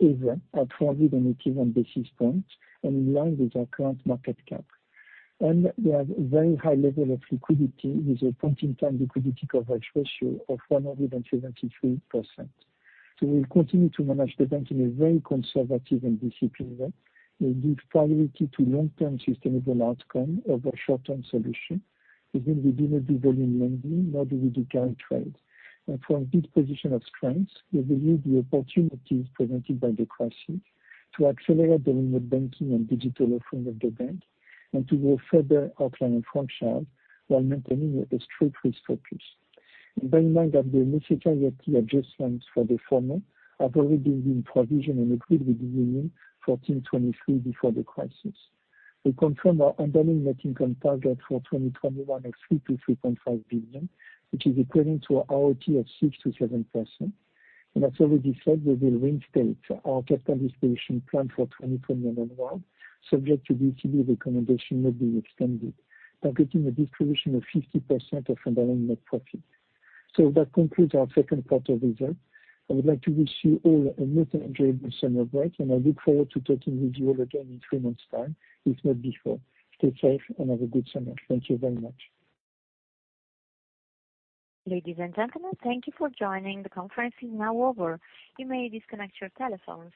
is at 481 basis points and in line with our current market cap. We have a very high level of liquidity with a point-in-time liquidity coverage ratio of 473%. We'll continue to manage the bank in a very conservative and disciplined way. We give priority to long-term sustainable outcome over short-term solution, meaning we do not do volume lending, nor do we do carry trades. From this position of strength, we will use the opportunities presented by the crisis to accelerate the remote banking and digital offering of the bank, and to grow further our client franchise while maintaining a strict risk focus. Bear in mind that the necessary adjustments for the former have already been in provision and agreed with the Team 23 before the crisis. We confirm our underlying net income target for 2021 of 3 billion-3.5 billion, which is equivalent to an ROTE of 6%-7%. As already said, we will reinstate our capital distribution plan for 2021 onward, subject to the ECB recommendation not being extended, targeting a distribution of 50% of underlying net profit. That concludes our second quarter results. I would like to wish you all a most enjoyable summer break, and I look forward to talking with you all again in three months' time, if not before. Stay safe and have a good summer. Thank you very much. Ladies and gentlemen, thank you for joining. The conference is now over. You may disconnect your telephones.